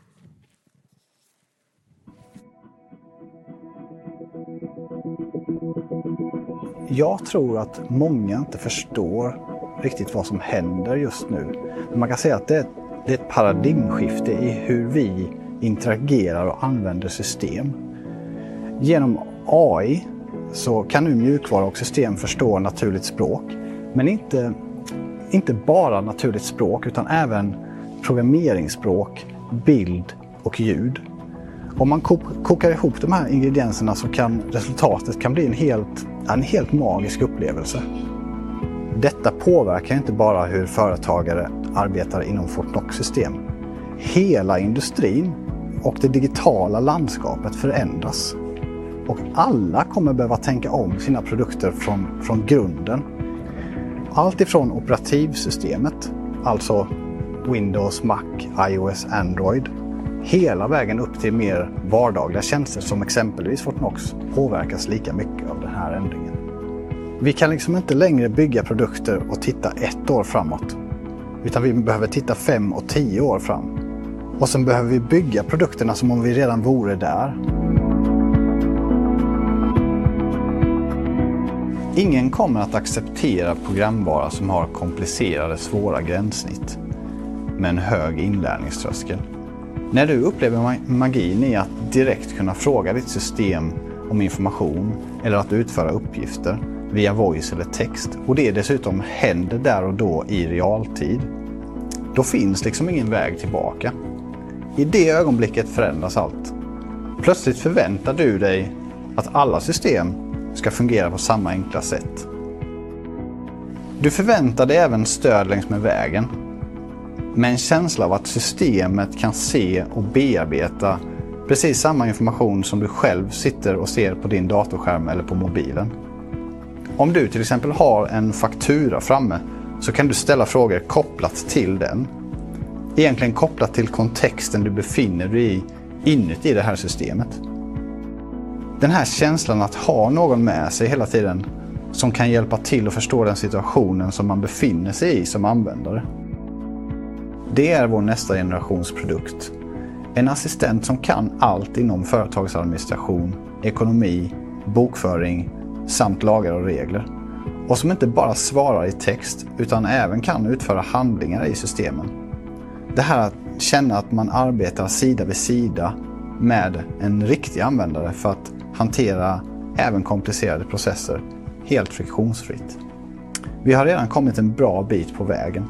I tror att många inte förstår riktigt vad som händer just nu. Man kan säga att det är ett paradigmskifte i hur vi interagerar och använder system. Genom AI, så kan nu mjukvara och system förstå naturligt språk, men inte bara naturligt språk, utan även programmeringsspråk, bild och ljud. Om man kokar ihop de här ingredienserna, så kan resultatet bli en helt magisk upplevelse. Detta påverkar inte bara hur företagare arbetar inom Fortnox-system. Hela industrin och det digitala landskapet förändras, och alla kommer behöva tänka om sina produkter från grunden. Allt ifrån operativsystemet, alltså Windows, Mac, iOS, Android, hela vägen upp till mer vardagliga tjänster, som exempelvis Fortnox, påverkas lika mycket av den här ändringen. Vi kan liksom inte längre bygga produkter och titta ett år framåt, utan vi behöver titta fem och tio år fram. Och sen behöver vi bygga produkterna som om vi redan vore där. Ingen kommer att acceptera programvara som har komplicerade svåra gränssnitt med en hög inlärningströskel. När du upplever magin i att direkt kunna fråga ditt system om information eller att utföra uppgifter via voice eller text och det dessutom händer där och då i realtid, då finns liksom ingen väg tillbaka. I det ögonblicket förändras allt. Plötsligt förväntar du dig att alla system ska fungera på samma enkla sätt. Du förväntar dig även stöd längs med vägen, med en känsla av att systemet kan se och bearbeta precis samma information som du själv sitter och ser på din datorskärm eller på mobilen. Om du till exempel har en faktura framme, så kan du ställa frågor kopplat till den. Egentligen kopplat till kontexten du befinner dig i, inuti det här systemet. Den här känslan att ha någon med sig hela tiden som kan hjälpa till att förstå den situationen som man befinner sig i som användare. Det är vår nästa generationsprodukt. En assistent som kan allt inom företagsadministration, ekonomi, bokföring samt lagar och regler och som inte bara svarar i text, utan även kan utföra handlingar i systemen. Det här att känna att man arbetar sida vid sida med en riktig användare för att hantera även komplicerade processer, helt friktionsfritt. Vi har redan kommit en bra bit på vägen.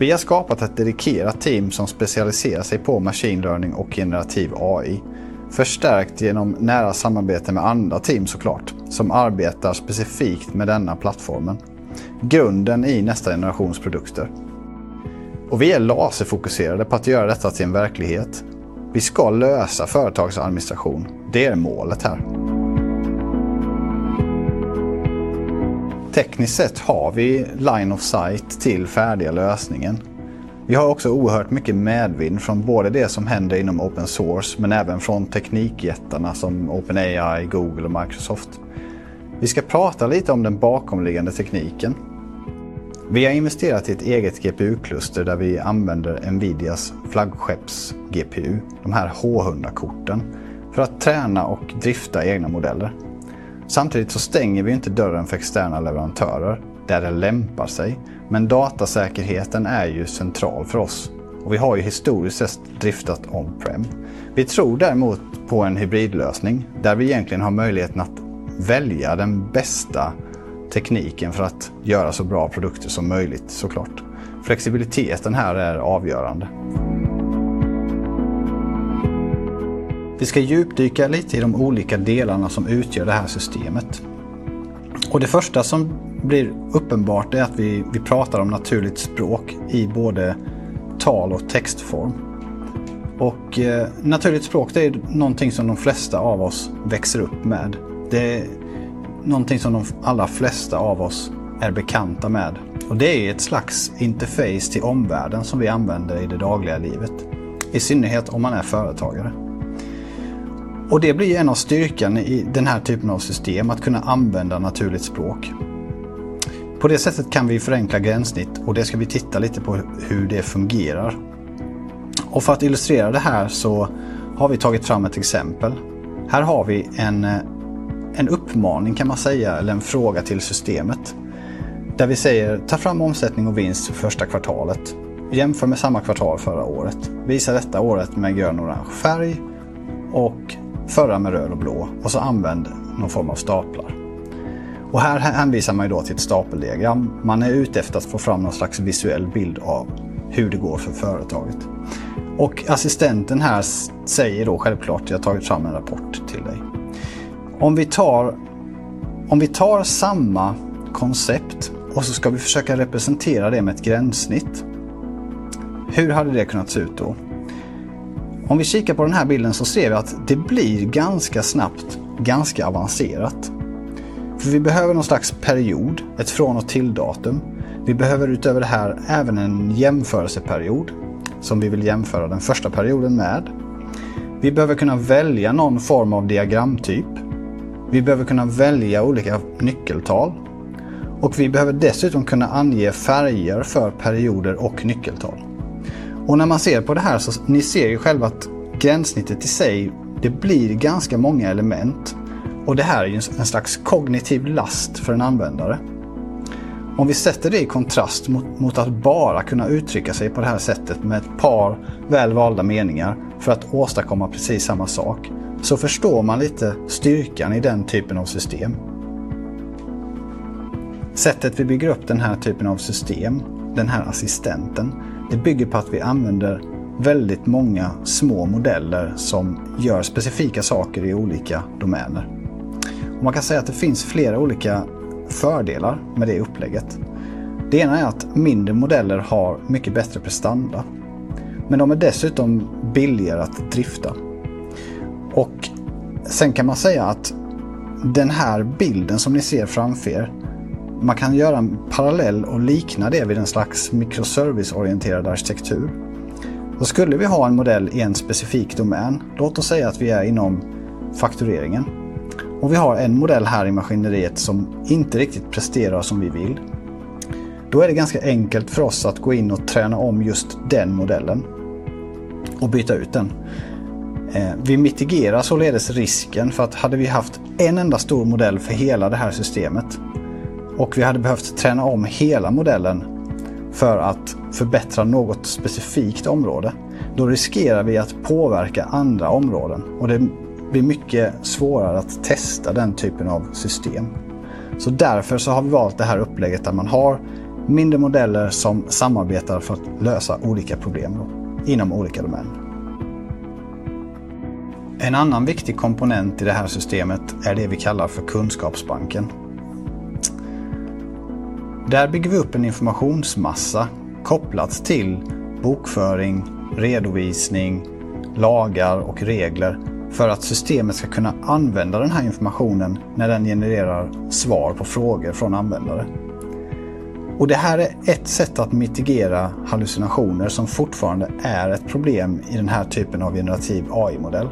Vi har skapat ett dedikerat team som specialiserar sig på machine learning och generativ AI, förstärkt genom nära samarbete med andra team såklart, som arbetar specifikt med denna plattformen. Grunden i nästa generationsprodukter. Och vi är laserfokuserade på att göra detta till en verklighet. Vi ska lösa företagsadministration, det är målet här. Tekniskt sett har vi line of sight till färdiga lösningen. Vi har också oerhört mycket medvind från både det som händer inom open source, men även från teknikjättarna som OpenAI, Google och Microsoft. Vi ska prata lite om den bakomliggande tekniken. Vi har investerat i ett eget GPU-kluster där vi använder NVIDIAs flaggskepps GPU, de här H100-korten, för att träna och drifta egna modeller. Samtidigt så stänger vi inte dörren för externa leverantörer där det lämpar sig, men datasäkerheten är ju central för oss och vi har ju historiskt driftat on-prem. Vi tror däremot på en hybridlösning där vi egentligen har möjligheten att välja den bästa tekniken för att göra så bra produkter som möjligt, så klart. Flexibiliteten här är avgörande. Vi ska djupdyka lite i de olika delarna som utgör det här systemet. Och det första som blir uppenbart är att vi, vi pratar om naturligt språk i både tal och textform. Och naturligt språk, det är någonting som de flesta av oss växer upp med. Det är någonting som de allra flesta av oss är bekanta med och det är ett slags interface till omvärlden som vi använder i det dagliga livet, i synnerhet om man är företagare. Och det blir en av styrkan i den här typen av system att kunna använda naturligt språk. På det sättet kan vi förenkla gränssnitt och det ska vi titta lite på hur det fungerar. Och för att illustrera det här så har vi tagit fram ett exempel. Här har vi en, en uppmaning kan man säga, eller en fråga till systemet, där vi säger: Ta fram omsättning och vinst för första kvartalet. Jämför med samma kvartal förra året. Visa detta året med grön och orange färg och förra med röd och blå och så använd någon form av staplar. Här hänvisar man då till ett stapeldiagram. Man är ute efter att få fram någon slags visuell bild av hur det går för företaget. Assistenten här säger då självklart: Jag har tagit fram en rapport till dig. Om vi tar samma koncept och så ska vi försöka representera det med ett gränssnitt, hur hade det kunnat se ut då? Om vi kikar på den här bilden så ser vi att det blir ganska snabbt, ganska avancerat. För vi behöver någon slags period, ett från- och tilldatum. Vi behöver utöver det här även en jämförelseperiod som vi vill jämföra den första perioden med. Vi behöver kunna välja någon form av diagramtyp. Vi behöver kunna välja olika nyckeltal och vi behöver dessutom kunna ange färger för perioder och nyckeltal. När man ser på det här, så, ni ser ju själva att gränssnittet i sig, det blir ganska många element och det här är en slags kognitiv last för en användare. Om vi sätter det i kontrast mot att bara kunna uttrycka sig på det här sättet med ett par väl valda meningar för att åstadkomma precis samma sak, så förstår man lite styrkan i den typen av system. Sättet vi bygger upp den här typen av system, den här assistenten, det bygger på att vi använder väldigt många små modeller som gör specifika saker i olika domäner. Man kan säga att det finns flera olika fördelar med det upplägget. Det ena är att mindre modeller har mycket bättre prestanda, men de är dessutom billigare att drifta. Och sen kan man säga att den här bilden som ni ser framför er, man kan göra en parallell och likna det vid en slags mikroserviceorienterad arkitektur. Då skulle vi ha en modell i en specifik domän. Låt oss säga att vi är inom faktureringen och vi har en modell här i maskineriet som inte riktigt presterar som vi vill. Då är det ganska enkelt för oss att gå in och träna om just den modellen och byta ut den. Vi mitigerar således risken för att hade vi haft en enda stor modell för hela det här systemet och vi hade behövt träna om hela modellen för att förbättra något specifikt område, då riskerar vi att påverka andra områden och det blir mycket svårare att testa den typen av system. Så därför så har vi valt det här upplägget där man har mindre modeller som samarbetar för att lösa olika problem inom olika domäner. En annan viktig komponent i det här systemet är det vi kallar för kunskapsbanken. Där bygger vi upp en informationsmassa kopplat till bokföring, redovisning, lagar och regler för att systemet ska kunna använda den här informationen när den genererar svar på frågor från användare. Och det här är ett sätt att mitigera hallucinationer som fortfarande är ett problem i den här typen av generativ AI-modell.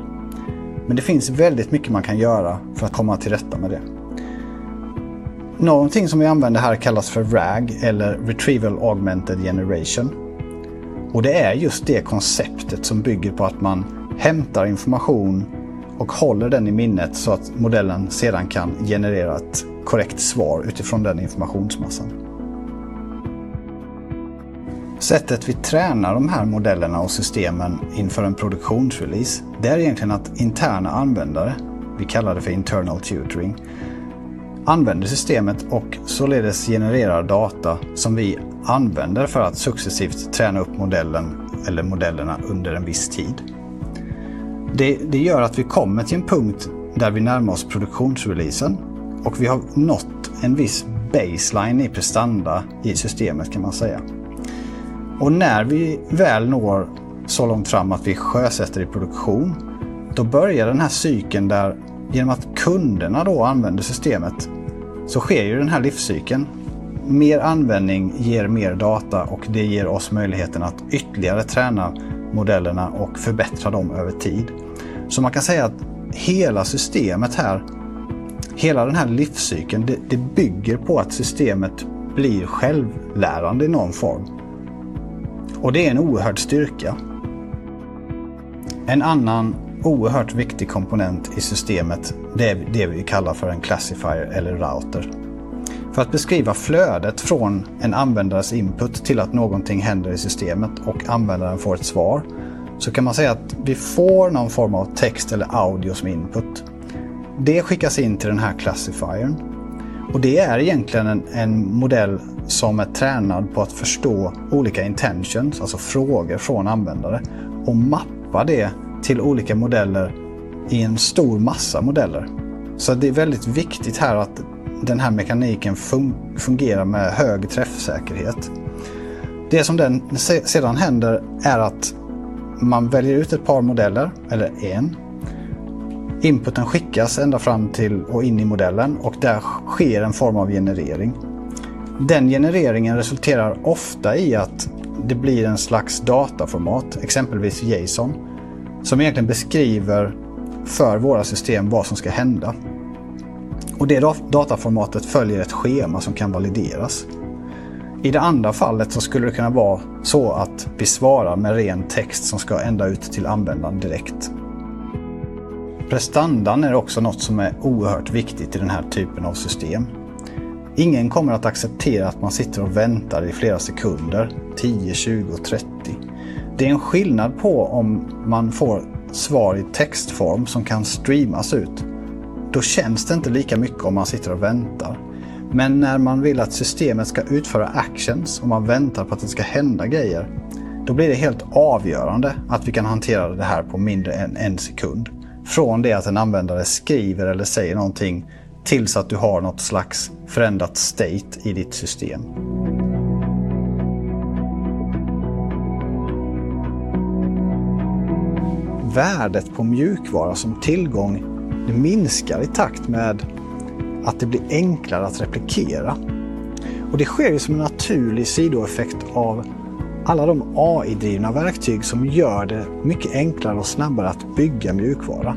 Men det finns väldigt mycket man kan göra för att komma till rätta med det. Någonting som vi använder här kallas för RAG eller Retrieval Augmented Generation. Och det är just det konceptet som bygger på att man hämtar information och håller den i minnet så att modellen sedan kan generera ett korrekt svar utifrån den informationsmassan. Sättet vi tränar de här modellerna och systemen inför en produktionsrelease, det är egentligen att interna användare, vi kallar det för internal tutoring, använder systemet och således genererar data som vi använder för att successivt träna upp modellen eller modellerna under en viss tid. Det, det gör att vi kommer till en punkt där vi närmar oss produktionsreleasen och vi har nått en viss baseline i prestanda i systemet kan man säga. Och när vi väl når så långt fram att vi sjösätter i produktion, då börjar den här cykeln där igenom att kunderna då använder systemet, så sker ju den här livscykeln. Mer användning ger mer data och det ger oss möjligheten att ytterligare träna modellerna och förbättra dem över tid. Så man kan säga att hela systemet här, hela den här livscykeln, det bygger på att systemet blir självlärande i någon form. Och det är en oerhörd styrka. En annan oerhört viktig komponent i systemet, det är det vi kallar för en classifier eller router. För att beskriva flödet från en användares input till att någonting händer i systemet och användaren får ett svar, så kan man säga att vi får någon form av text eller audio som input. Det skickas in till den här classifiern och det är egentligen en modell som är tränad på att förstå olika intentions, alltså frågor från användare, och mappa det till olika modeller i en stor massa modeller. Så det är väldigt viktigt här att den här mekaniken fungerar med hög träffsäkerhet. Det som den sedan händer är att man väljer ut ett par modeller eller en. Inputen skickas ända fram till och in i modellen och där sker en form av generering. Den genereringen resulterar ofta i att det blir en slags dataformat, exempelvis JSON, som egentligen beskriver för våra system vad som ska hända. Och det dataformatet följer ett schema som kan valideras. I det andra fallet så skulle det kunna vara så att vi svarar med ren text som ska ända ut till användaren direkt. Prestandan är också något som är oerhört viktigt i den här typen av system. Ingen kommer att acceptera att man sitter och väntar i flera sekunder, 10, 20, 30. Det är en skillnad på om man får ett svar i textform som kan streamas ut. Då känns det inte lika mycket om man sitter och väntar. Men när man vill att systemet ska utföra actions och man väntar på att det ska hända grejer, då blir det helt avgörande att vi kan hantera det här på mindre än en sekund. Från det att en användare skriver eller säger någonting tills att du har något slags förändrat state i ditt system. Värdet på mjukvara som tillgång, det minskar i takt med att det blir enklare att replikera. Och det sker ju som en naturlig sidoeffekt av alla de AI-drivna verktyg som gör det mycket enklare och snabbare att bygga mjukvara.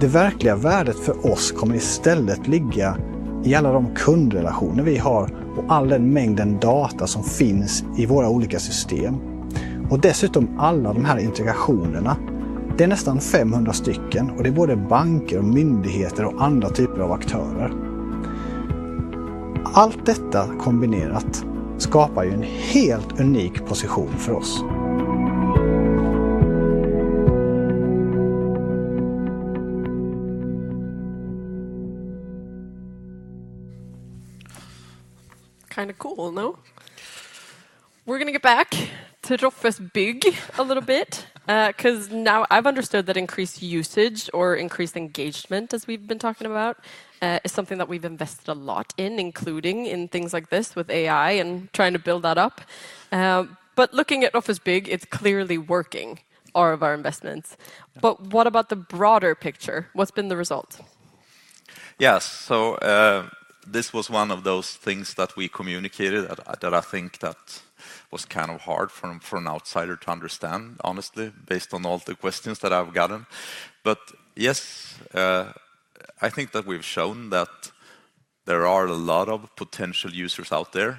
Det verkliga värdet för oss kommer istället ligga i alla de kundrelationer vi har och all den mängden data som finns i våra olika system. Och dessutom alla de här integrationerna, det är nästan 500 stycken och det är både banker, myndigheter och andra typer av aktörer. Allt detta kombinerat skapar ju en helt unik position för oss. Cool, no? We're gonna get back to Offerta a little bit, because now I've understood that increased usage or increased engagement, as we've been talking about, is something that we've invested a lot in, including in things like this with AI and trying to build that up. But looking at Offerta, it's clearly working, all of our investments. But what about the broader picture? What's been the result? Yes, so, this was one of those things that we communicated that I think that was hard for, for an outsider to understand, honestly, based on all the questions that I've gotten. But yes. I think that we've shown that there are a lot of potential users out there,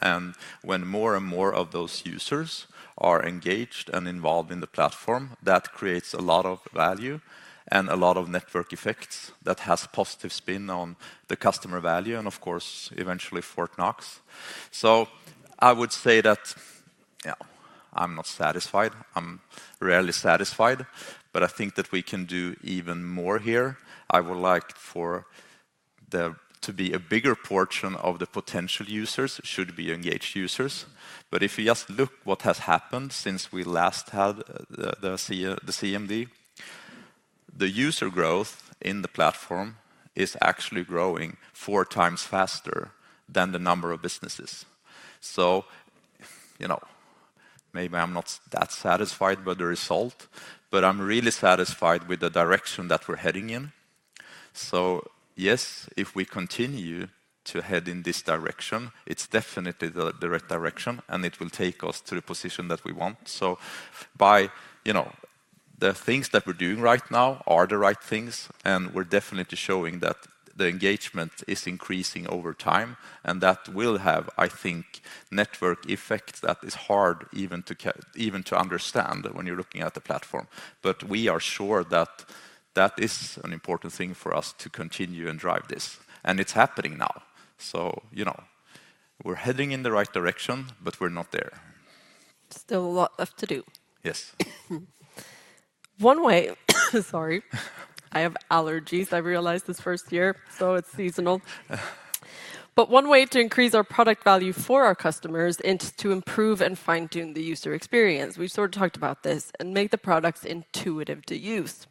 and when more and more of those users are engaged and involved in the platform, that creates a lot of value, and a lot of network effects that has positive spin on the customer value, and of course, eventually Fortnox. So I would say that, I'm not satisfied. I'm rarely satisfied, but I think that we can do even more here. I would like for there to be a bigger portion of the potential users, should be engaged users. But if you just look what has happened since we last had the CMD, the user growth in the platform is actually growing four times faster than the number of businesses. So, you know, maybe I'm not that satisfied with the result, but I'm really satisfied with the direction that we're heading in. So yes, if we continue to head in this direction, it's definitely the right direction, and it will take us to the position that we want. So by, you know, the things that we're doing right now are the right things, and we're definitely showing that the engagement is increasing over time, and that will have, I think, network effect that is hard even to understand when you're looking at the platform. But we are sure that that is an important thing for us to continue and drive this, and it's happening now. So, you know, we're heading in the right direction, but we're not there. Still a lot left to do. Yes. One way, sorry. I have allergies, I realized this first year, so it's seasonal. But one way to increase our product value for our customers is to improve and fine-tune the user experience, we've talked about this, and make the products intuitive to use.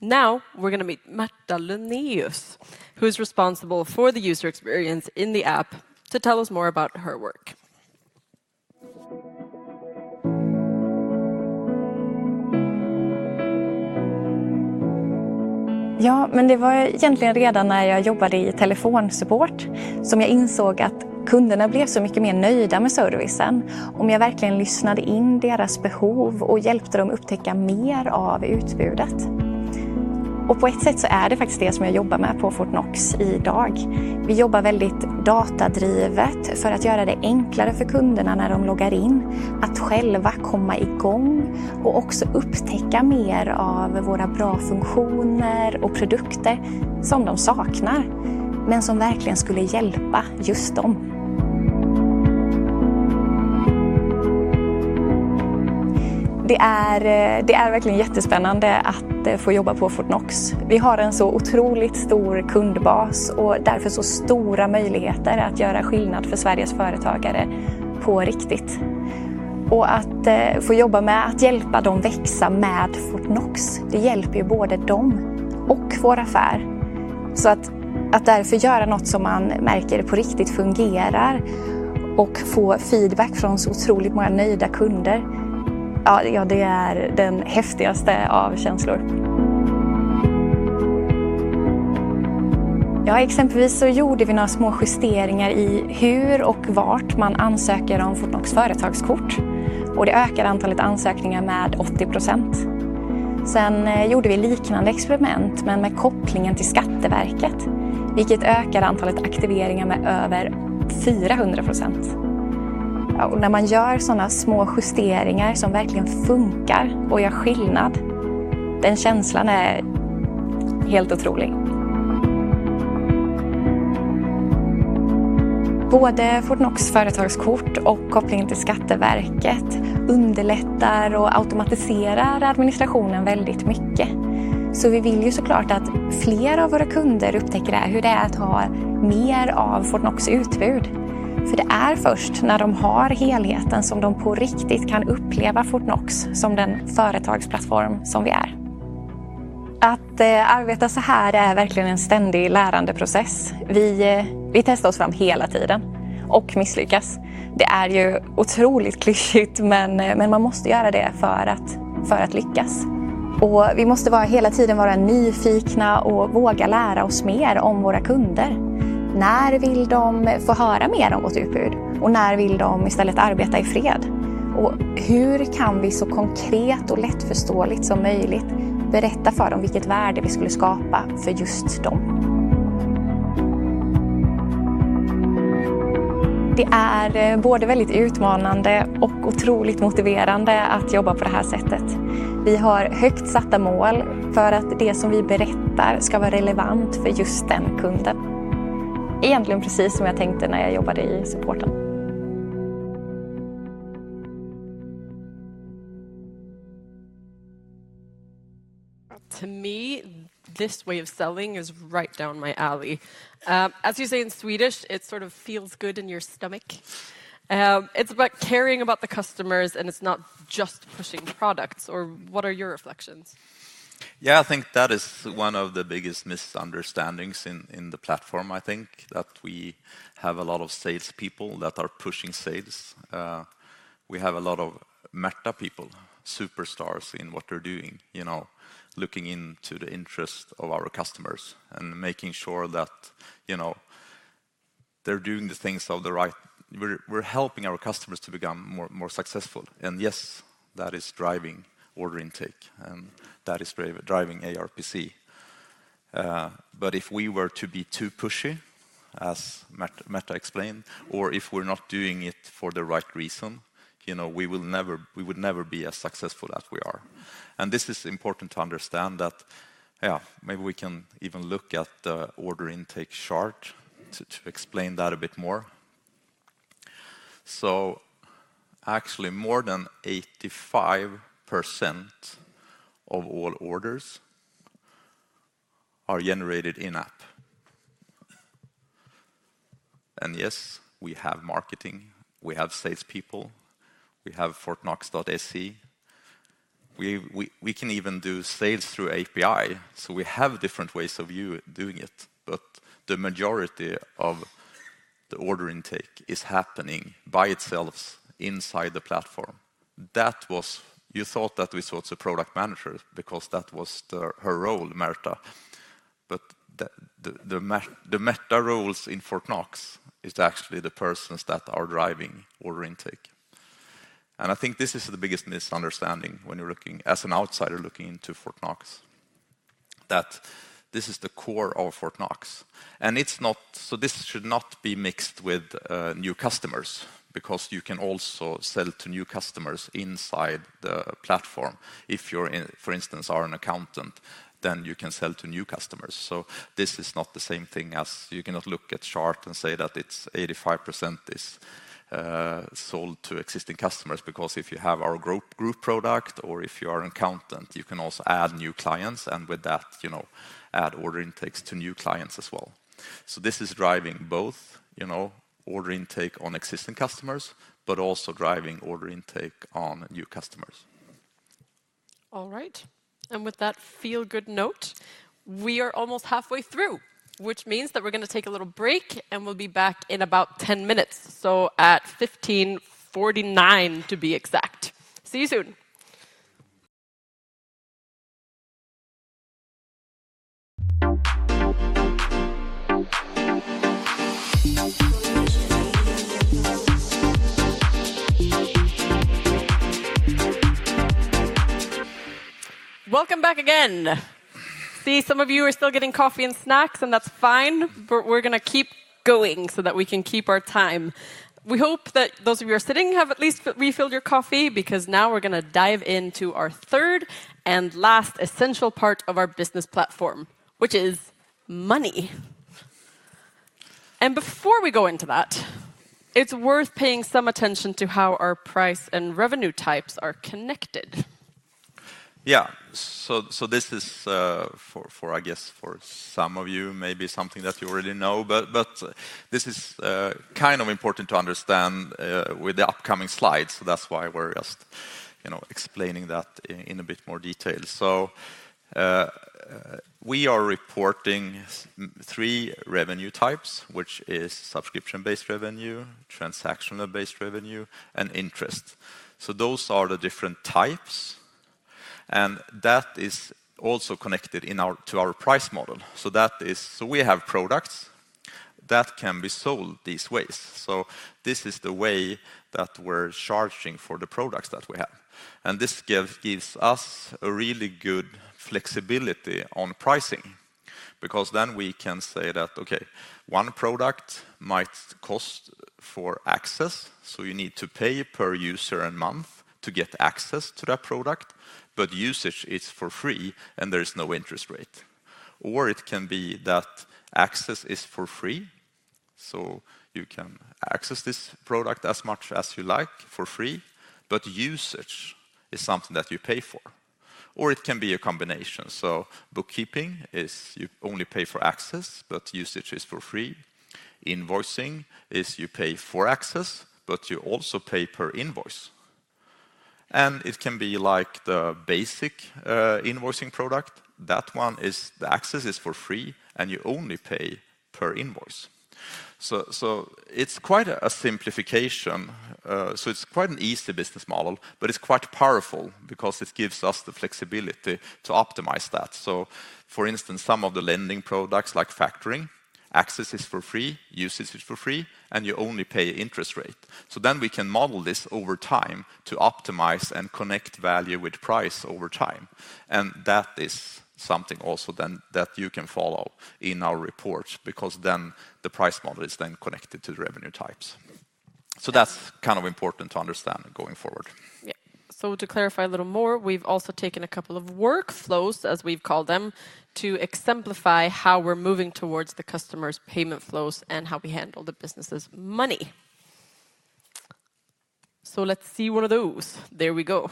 Now, we're gonna meet Märta Linnéus, who is responsible for the user experience in the app, to tell us more about her work. Men det var egentligen redan när jag jobbade i telefonsupport, som jag insåg att kunderna blev så mycket mer nöjda med servicen, om jag verkligen lyssnade in deras behov och hjälpte dem upptäcka mer av utbudet. Och på ett sätt så är det faktiskt det som jag jobbar med på Fortnox i dag. Vi jobbar väldigt datadrivet för att göra det enklare för kunderna när de loggar in, att själva komma i gång och också upptäcka mer av våra bra funktioner och produkter som de saknar, men som verkligen skulle hjälpa just dem. Det är, det är verkligen jättespännande att få jobba på Fortnox. Vi har en så otroligt stor kundbas och därför så stora möjligheter att göra skillnad för Sveriges företagare på riktigt. Och att få jobba med att hjälpa dem växa med Fortnox, det hjälper ju både dem och vår affär. Så att, att därför göra något som man märker på riktigt fungerar och få feedback från så otroligt många nöjda kunder, ja, ja, det är den häftigaste av känslor. Ja, exempelvis, så gjorde vi några små justeringar i hur och vart man ansöker om Fortnox Företagskort, och det ökade antalet ansökningar med 80%. Sen gjorde vi liknande experiment, men med kopplingen till Skatteverket, vilket ökade antalet aktiveringar med över 400%. Ja, och när man gör sådana små justeringar som verkligen funkar och gör skillnad, den känslan är helt otrolig. Både Fortnox Företagskort och kopplingen till Skatteverket underlättar och automatiserar administrationen väldigt mycket. Så vi vill ju såklart att fler av våra kunder upptäcker det, hur det är att ha mer av Fortnox utbud. För det är först när de har helheten som de på riktigt kan uppleva Fortnox som den företagsplattform som vi är. Att arbeta så här är verkligen en ständig lärandeprocess. Vi testar oss fram hela tiden och misslyckas. Det är ju otroligt klyschigt, men man måste göra det för att lyckas. Och vi måste vara hela tiden nyfikna och våga lära oss mer om våra kunder. När vill de få höra mer om vårt utbud? Och när vill de istället arbeta i fred? Och hur kan vi så konkret och lättförståeligt som möjligt berätta för dem vilket värde vi skulle skapa för just dem? Det är både väldigt utmanande och otroligt motiverande att jobba på det här sättet. Vi har högt satta mål för att det som vi berättar ska vara relevant för just den kunden. Egentligen precis som jag tänkte när jag jobbade i supporten. To me, this way of selling is right down my alley. As you say, in Swedish, it feels good in your stomach. It's about caring about the customers, and it's not just pushing products, or what are your reflections? I think that is one of the biggest misunderstandings in the platform. I think that we have a lot of salespeople that are pushing sales. We have a lot of Märta people, superstars in what they're doing, you know, looking into the interest of our customers and making sure that, you know, we're helping our customers to become more, more successful, and yes, that is driving order intake, and that is driving ARPC. But if we were to be too pushy, as Märta explained, or if we're not doing it for the right reason, you know, we will never - we would never be as successful as we are. And this is important to understand that. Maybe we can even look at the order intake chart to explain that a bit more. So actually, more than 85% of all orders are generated in-app. Yes, we have marketing, we have salespeople, we have Fortnox.se. We can even do sales through API, so we have different ways of doing it, but the majority of the order intake is happening by itself inside the platform. You thought that we saw the product manager, because that was her role, Märta, but the Märta roles in Fortnox is actually the persons that are driving order intake. I think this is the biggest misunderstanding when you're looking, as an outsider looking into Fortnox, that this is the core of Fortnox. It's not—so this should not be mixed with new customers, because you can also sell to new customers inside the platform. If you're in, for instance, are an accountant, then you can sell to new customers. So this is not the same thing as you cannot look at chart and say that it's 85% is sold to existing customers, because if you have our group, group product, or if you are an accountant, you can also add new clients, and with that, you know, add order intakes to new clients as well. So this is driving both, you know, order intake on existing customers, but also driving order intake on new customers. All right. And with that feel-good note, we are almost halfway through, which means that we're gonna take a little break, and we'll be back in about 10 minutes, so at 3:49 P.M., to be exact. See you soon. Welcome back again. See, some of you are still getting coffee and snacks, and that's fine, but we're gonna keep going so that we can keep our time. We hope that those of you who are sitting have at least refilled your coffee, because now we're gonna dive into our third and last essential part of our business platform, which is money. And before we go into that, it's worth paying some attention to how our price and revenue types are connected. So this is for some of you, maybe something that you already know, but this is important to understand with the upcoming slides. So that's why we're just, you know, explaining that in a bit more detail. So we are reporting three revenue types, which is subscription-based revenue, transactional-based revenue, and interest. So those are the different types, and that is also connected to our price model. So that is we have products that can be sold these ways. So this is the way that we're charging for the products that we have. This gives us a really good flexibility on pricing, because then we can say that, okay, one product might cost for access, so you need to pay per user and month to get access to that product, but usage is for free, and there is no interest rate. Or it can be that access is for free, so you can access this product as much as you like for free, but usage is something that you pay for, or it can be a combination. So bookkeeping is you only pay for access, but usage is for free. Invoicing is you pay for access, but you also pay per invoice. And it can be like the basic invoicing product. That one is the access is for free, and you only pay per invoice. So it's quite a simplification, so it's quite an easy business model, but it's quite powerful because it gives us the flexibility to optimize that. So for instance, some of the lending products, like factoring, access is for free, usage is for free, and you only pay interest rate. So then we can model this over time to optimize and connect value with price over time, and that is something also then that you can follow in our reports, because then the price model is then connected to the revenue types. So that's important to understand going forward. So to clarify a little more, we've also taken a couple of workflows, as we've called them, to exemplify how we're moving towards the customer's payment flows and how we handle the business' money. So let's see one of those. There we go.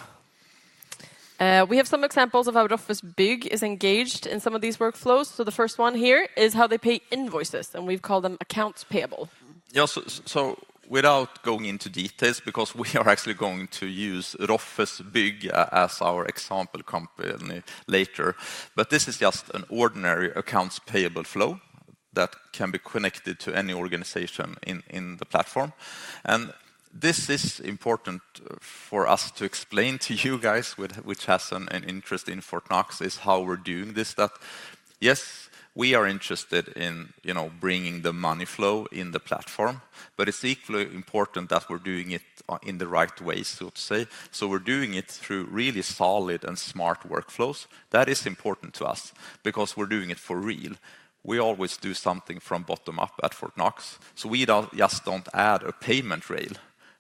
We have some examples of how Roffes Bygg is engaged in some of these workflows. So the first one here is how they pay invoices, and we've called them accounts payable. So without going into details, because we are actually going to use Offerta as our example company later, but this is just an ordinary accounts payable flow that can be connected to any organization in the platform. This is important for us to explain to you guys, which has an interest in Fortnox, is how we're doing this, that, yes, we are interested in, you know, bringing the money flow in the platform, but it's equally important that we're doing it in the right way, so to say. So we're doing it through really solid and smart workflows. That is important to us because we're doing it for real. We always do something from bottom up at Fortnox, so we don't just add a payment rail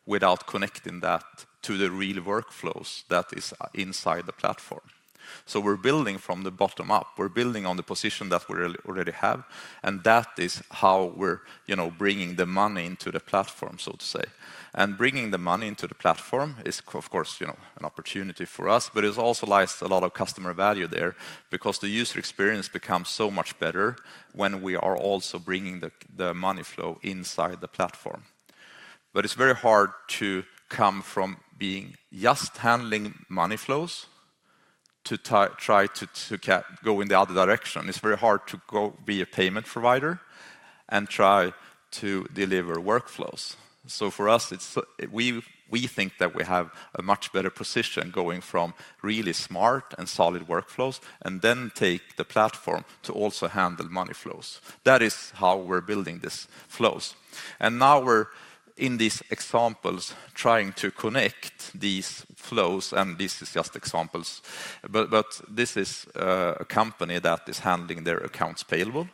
without connecting that to the real workflows that is inside the platform. So we're building from the bottom up. We're building on the position that we already have, and that is how we're, you know, bringing the money into the platform, so to say. And bringing the money into the platform is, of course, you know, an opportunity for us, but it also lies a lot of customer value there because the user experience becomes so much better when we are also bringing the money flow inside the platform. But it's very hard to come from being just handling money flows to try to go in the other direction. It's very hard to go be a payment provider and try to deliver workflows. So for us, it's we think that we have a much better position going from really smart and solid workflows, and then take the platform to also handle money flows. That is how we're building this flows. Now we're in these examples, trying to connect these flows, and this is just examples. But this is a company that is handling their accounts payable,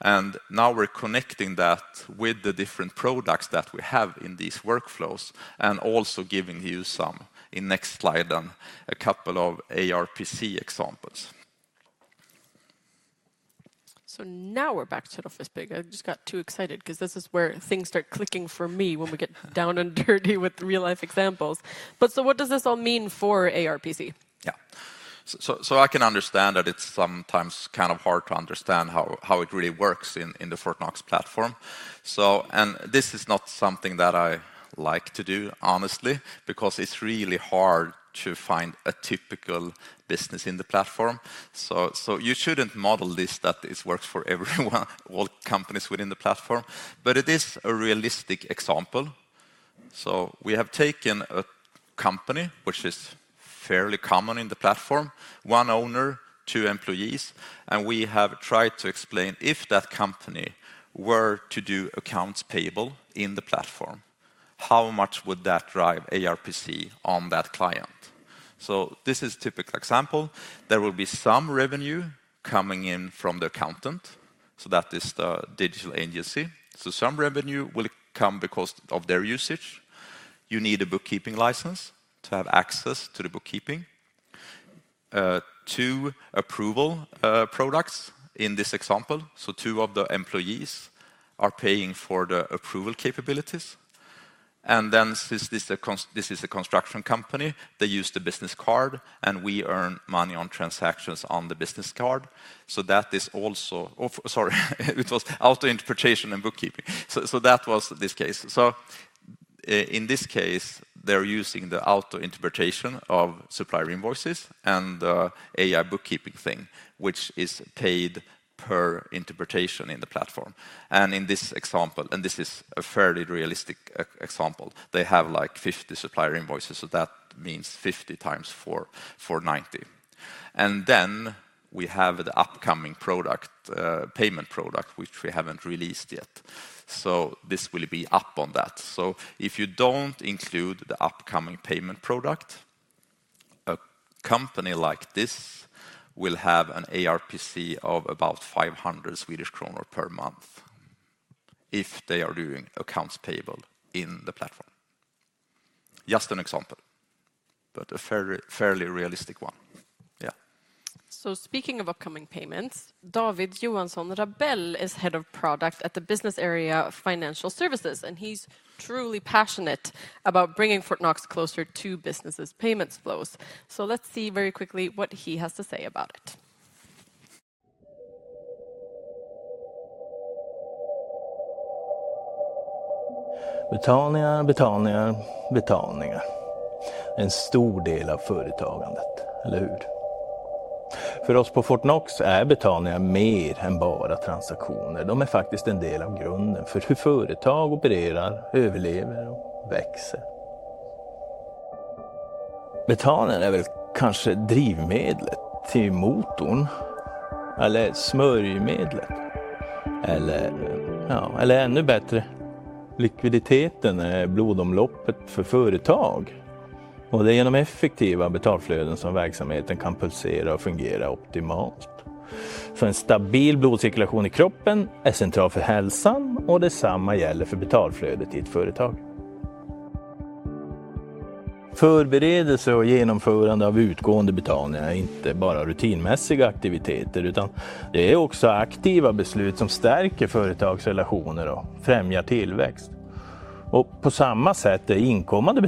and now we're connecting that with the different products that we have in these workflows, and also giving you some, in next slide, a couple of ARPC examples. So now we're back to the office, bygg. I just got too excited 'cause this is where things start clicking for me when we get down and dirty with real-life examples. But so what does this all mean for ARPC? So I can understand that it's sometimes hard to understand how it really works in the Fortnox platform. So, and this is not something that I like to do, honestly, because it's really hard to find a typical business in the platform. So you shouldn't model this, that this works for everyone, all companies within the platform. But it is a realistic example. So we have taken a company which is fairly common in the platform, one owner, two employees, and we have tried to explain if that company were to do accounts payable in the platform, how much would that drive ARPC on that client? So this is typical example. There will be some revenue coming in from the accountant, so that is the digital agency. So some revenue will come because of their usage. You need a bookkeeping license to have access to the bookkeeping. Two approval products in this example, so two of the employees are paying for the approval capabilities. And then, since this is a construction company, they use the business card, and we earn money on transactions on the business card. So that is also, sorry, it was auto interpretation and bookkeeping. So, so that was this case. So, in this case, they're using the auto interpretation of supplier invoices and, AI bookkeeping thing, which is paid per interpretation in the platform. And in this example, and this is a fairly realistic example, they have, like, 50 supplier invoices, so that means 50 times 449 SEK. And then we have the upcoming product, payment product, which we haven't released yet. So this will be up on that. If you don't include the upcoming payment product, a company like this will have an ARPC of about 500 Swedish kronor per month, if they are doing accounts payable in the platform. Just an example, but a fairly, fairly realistic one. Speaking of upcoming payments, David Johansson Rabell is Head of Product at the business area of Financial Services, and he's truly passionate about bringing Fortnox closer to businesses' payments flows. Let's see very quickly what he has to say about it. Payments, payments, payments. A big part of entrepreneurship, right? For us at Fortnox, payments are more than just transactions. They are actually part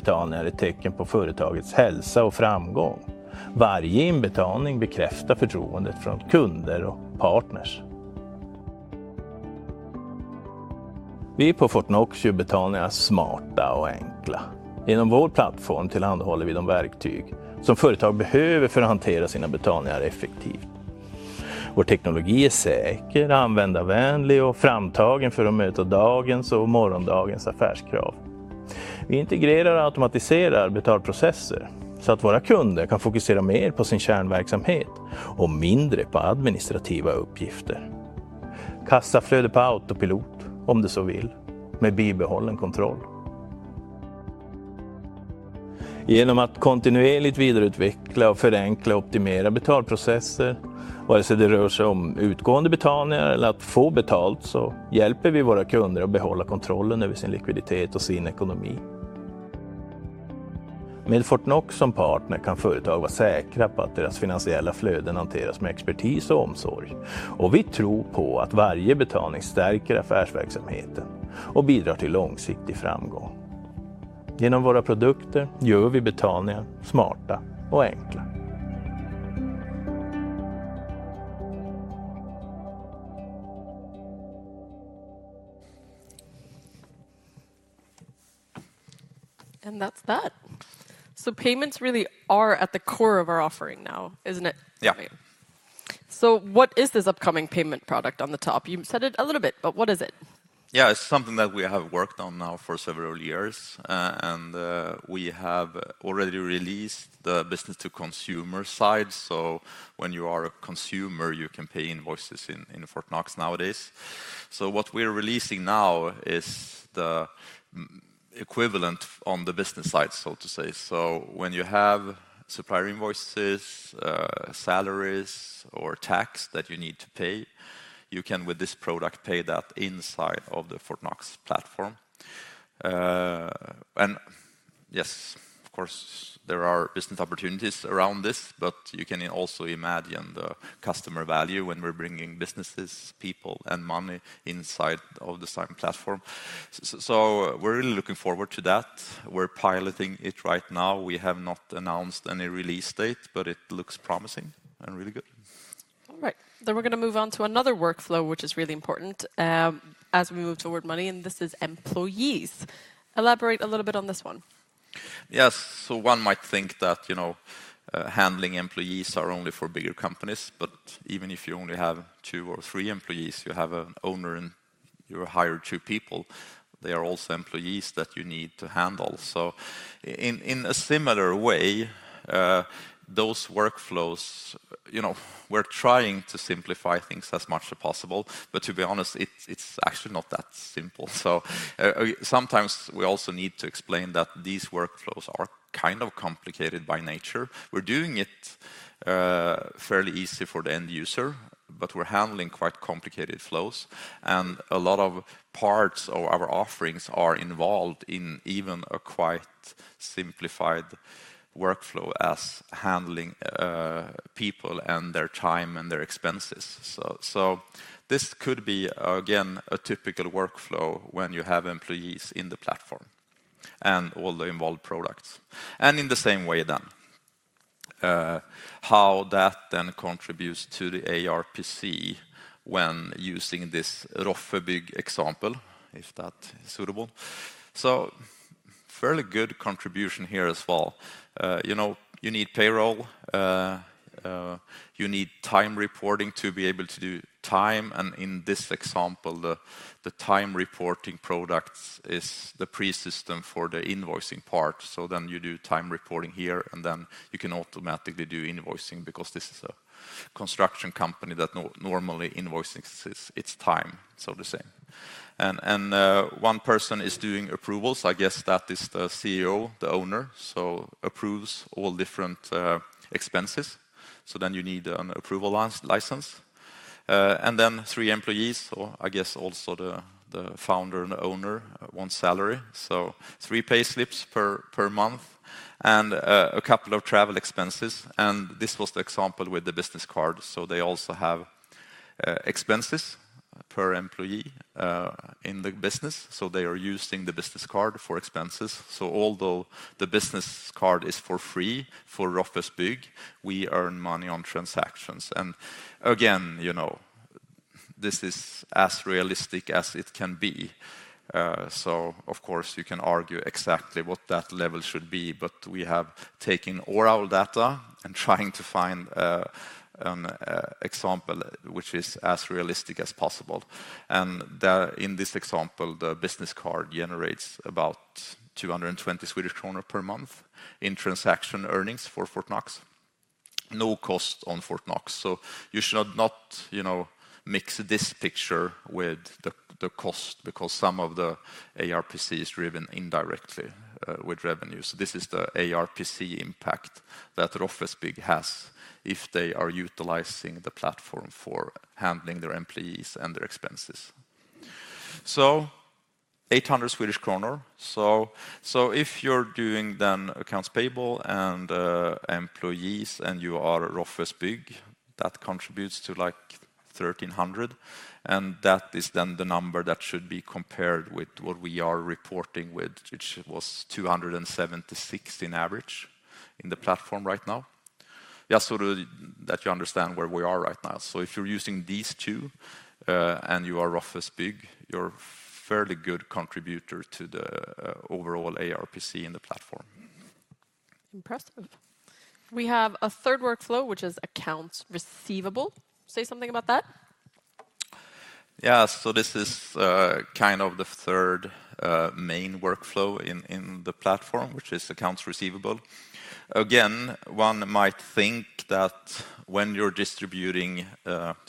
of the foundation for how companies operate, survive, equivalent on the business side, so to say. So when you have supplier invoices, salaries, or tax that you need to pay, you can, with this product, pay that inside of the Fortnox platform. And yes, of course, there are business opportunities around this, but you can also imagine the customer value when we're bringing businesses, people, and money inside of the same platform. So we're really looking forward to that. We're piloting it right now. We have not announced any release date, but it looks promising and really good. All right. Then we're gonna move on to another workflow, which is really important, as we move toward money, and this is employees. Elaborate a little bit on this one. Yes. So one might think that, you know, handling employees are only for bigger companies, but even if you only have two or three employees, you have an owner, and you hire two people, they are also employees that you need to handle. So in a similar way, those workflows, you know, we're trying to simplify things as much as possible, but to be honest, it's actually not that simple. So sometimes we also need to explain that these workflows are complicated by nature. We're doing it fairly easy for the end user, but we're handling quite complicated flows, and a lot of parts of our offerings are involved in even a quite simplified workflow as handling people and their time and their expenses. So, so this could be, again, a typical workflow when you have employees in the platform and all the involved products. And in the same way, then, how that then contributes to the ARPC when using this Roffes Bygg example, if that is suitable. So fairly good contribution here as well. You know, you need payroll, you need time reporting to be able to do time, and in this example, the time reporting products is the pre-system for the invoicing part. So then you do time reporting here, and then you can automatically do invoicing because this is a construction company that normally invoices its time, so to say. And one person is doing approvals. I guess that is the CEO, the owner, so approves all different expenses. So then you need an approval license, and then three employees, so I guess also the founder and owner wants salary. So three payslips per month and a couple of travel expenses, and this was the example with the business card, so they also have expenses per employee in the business, so they are using the business card for expenses. So although the business card is for free for Roffes Bygg, we earn money on transactions. And again, you know, this is as realistic as it can be. So of course, you can argue exactly what that level should be, but we have taken all our data and trying to find an example which is as realistic as possible. And in this example, the business card generates about 220 Swedish kronor per month in transaction earnings for Fortnox. No cost on Fortnox. So you should not, you know, mix this picture with the cost, because some of the ARPC is driven indirectly with revenues. This is the ARPC impact that Roffes Bygg has if they are utilizing the platform for handling their employees and their expenses. So 800 Swedish kronor. So if you're doing then accounts payable and employees, and you are Roffes Bygg, that contributes to, like, 1,300, and that is then the number that should be compared with what we are reporting with, which was 276 in average in the platform right now. Just so that you understand where we are right now. So if you're using these two, and you are Roffes Bygg, you're fairly good contributor to the overall ARPC in the platform. Impressive! We have a third workflow, which is accounts receivable. Say something about that? So this is the third main workflow in the platform, which is accounts receivable. Again, one might think that when you're distributing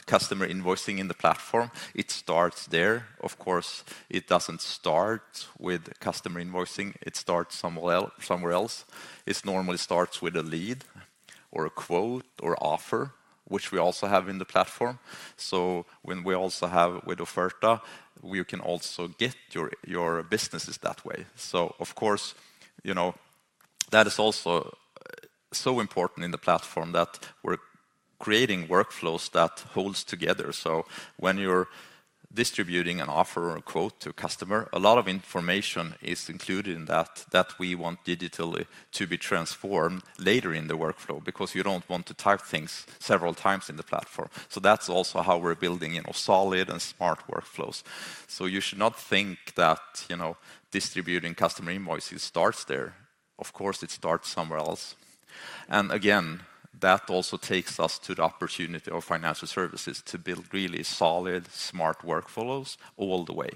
customer invoicing in the platform, it starts there. Of course, it doesn't start with customer invoicing, it starts somewhere else. It normally starts with a lead or a quote or offer, which we also have in the platform. So when we also have with Offerta, you can also get your businesses that way. So of course, you know, that is also so important in the platform that we're creating workflows that holds together. So when you're distributing an offer or a quote to a customer, a lot of information is included in that, that we want digitally to be transformed later in the workflow, because you don't want to type things several times in the platform. So that's also how we're building, you know, solid and smart workflows. So you should not think that, you know, distributing customer invoices starts there. Of course, it starts somewhere else. And again, that also takes us to the opportunity of financial services to build really solid, smart workflows all the way.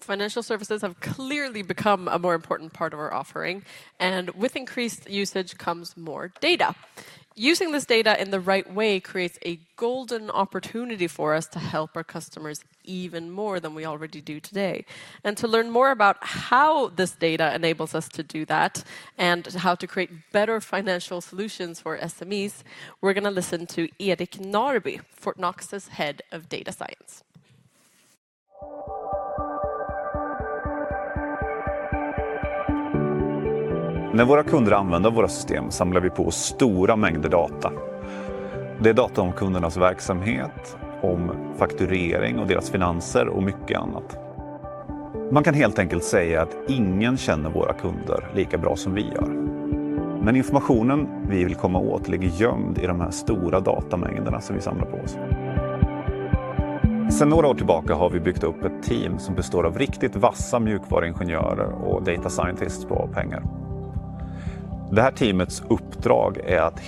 Financial services have clearly become a more important part of our offering, and with increased usage comes more data. Using this data in the right way creates a golden opportunity for us to help our customers even more than we already do today. To learn more about how this data enables us to do that and how to create better financial solutions for SMEs, we're going to listen to Erik Narby, Fortnox's Head of Data Science. When our customers use our systems, we collect large amounts of data. This is data about the customer's business, invoicing, their finances, and much more. You can simply say that no one knows our customers as well as we do. But the information we want to access is hidden in these large datasets that we collect. A few years ago, we built a team consisting of really sharp software engineers and data scientists. This team's task is to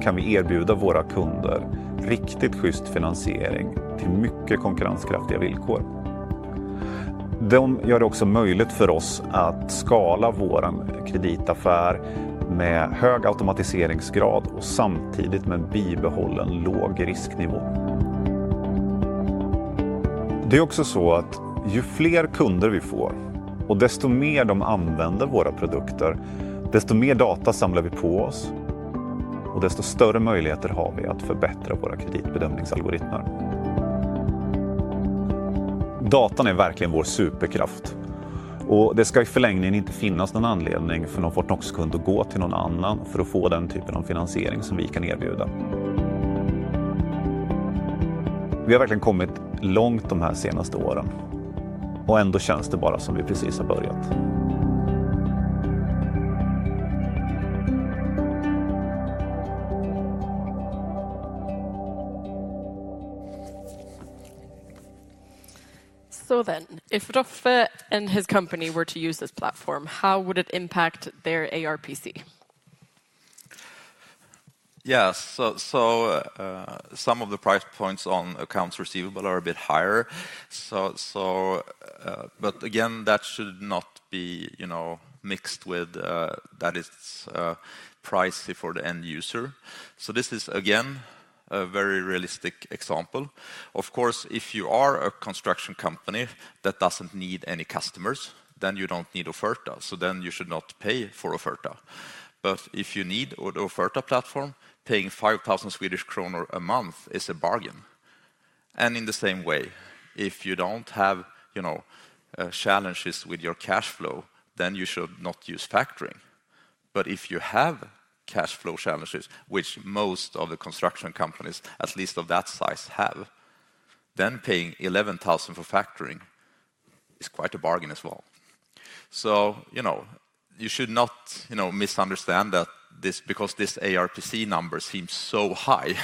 find structures in this data to be able to make automatic So then, if Roffe and his company were to use this platform, how would it impact their ARPC? Yes. So, some of the price points on accounts receivable are a bit higher. So, but again, that should not be, you know, mixed with, that it's, pricey for the end user. So this is, again, a very realistic example. Of course, if you are a construction company that doesn't need any customers, then you don't need Offerta, so then you should not pay for Offerta. But if you need Offerta platform, paying 5,000 Swedish kronor a month is a bargain. And in the same way, if you don't have, you know, challenges with your cash flow, then you should not use factoring. But if you have cash flow challenges, which most of the construction companies, at least of that size, have, then paying 11,000 SEK for factoring is quite a bargain as well. So, you know, you should not, you know, misunderstand that this—because this ARPC number seems so high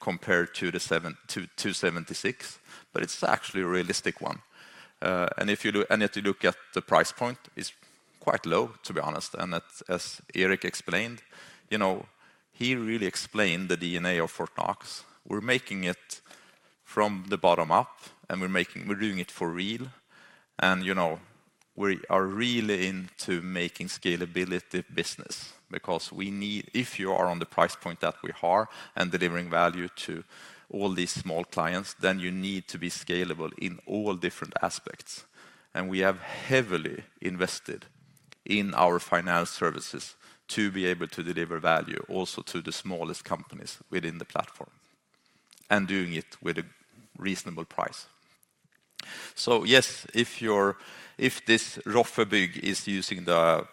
compared to the 7-276, but it's actually a realistic one. And if you look at the price point, it's quite low, to be honest. And that, as Erik explained, you know, he really explained the DNA of Fortnox. We're making it from the bottom up, and we're making, we're doing it for real. And, you know, we are really into making scalability business because we need—if you are on the price point that we are and delivering value to all these small clients, then you need to be scalable in all different aspects. And we have heavily invested in our financial services to be able to deliver value also to the smallest companies within the platform, and doing it with a reasonable price. So yes, if this Roffes Bygg is using the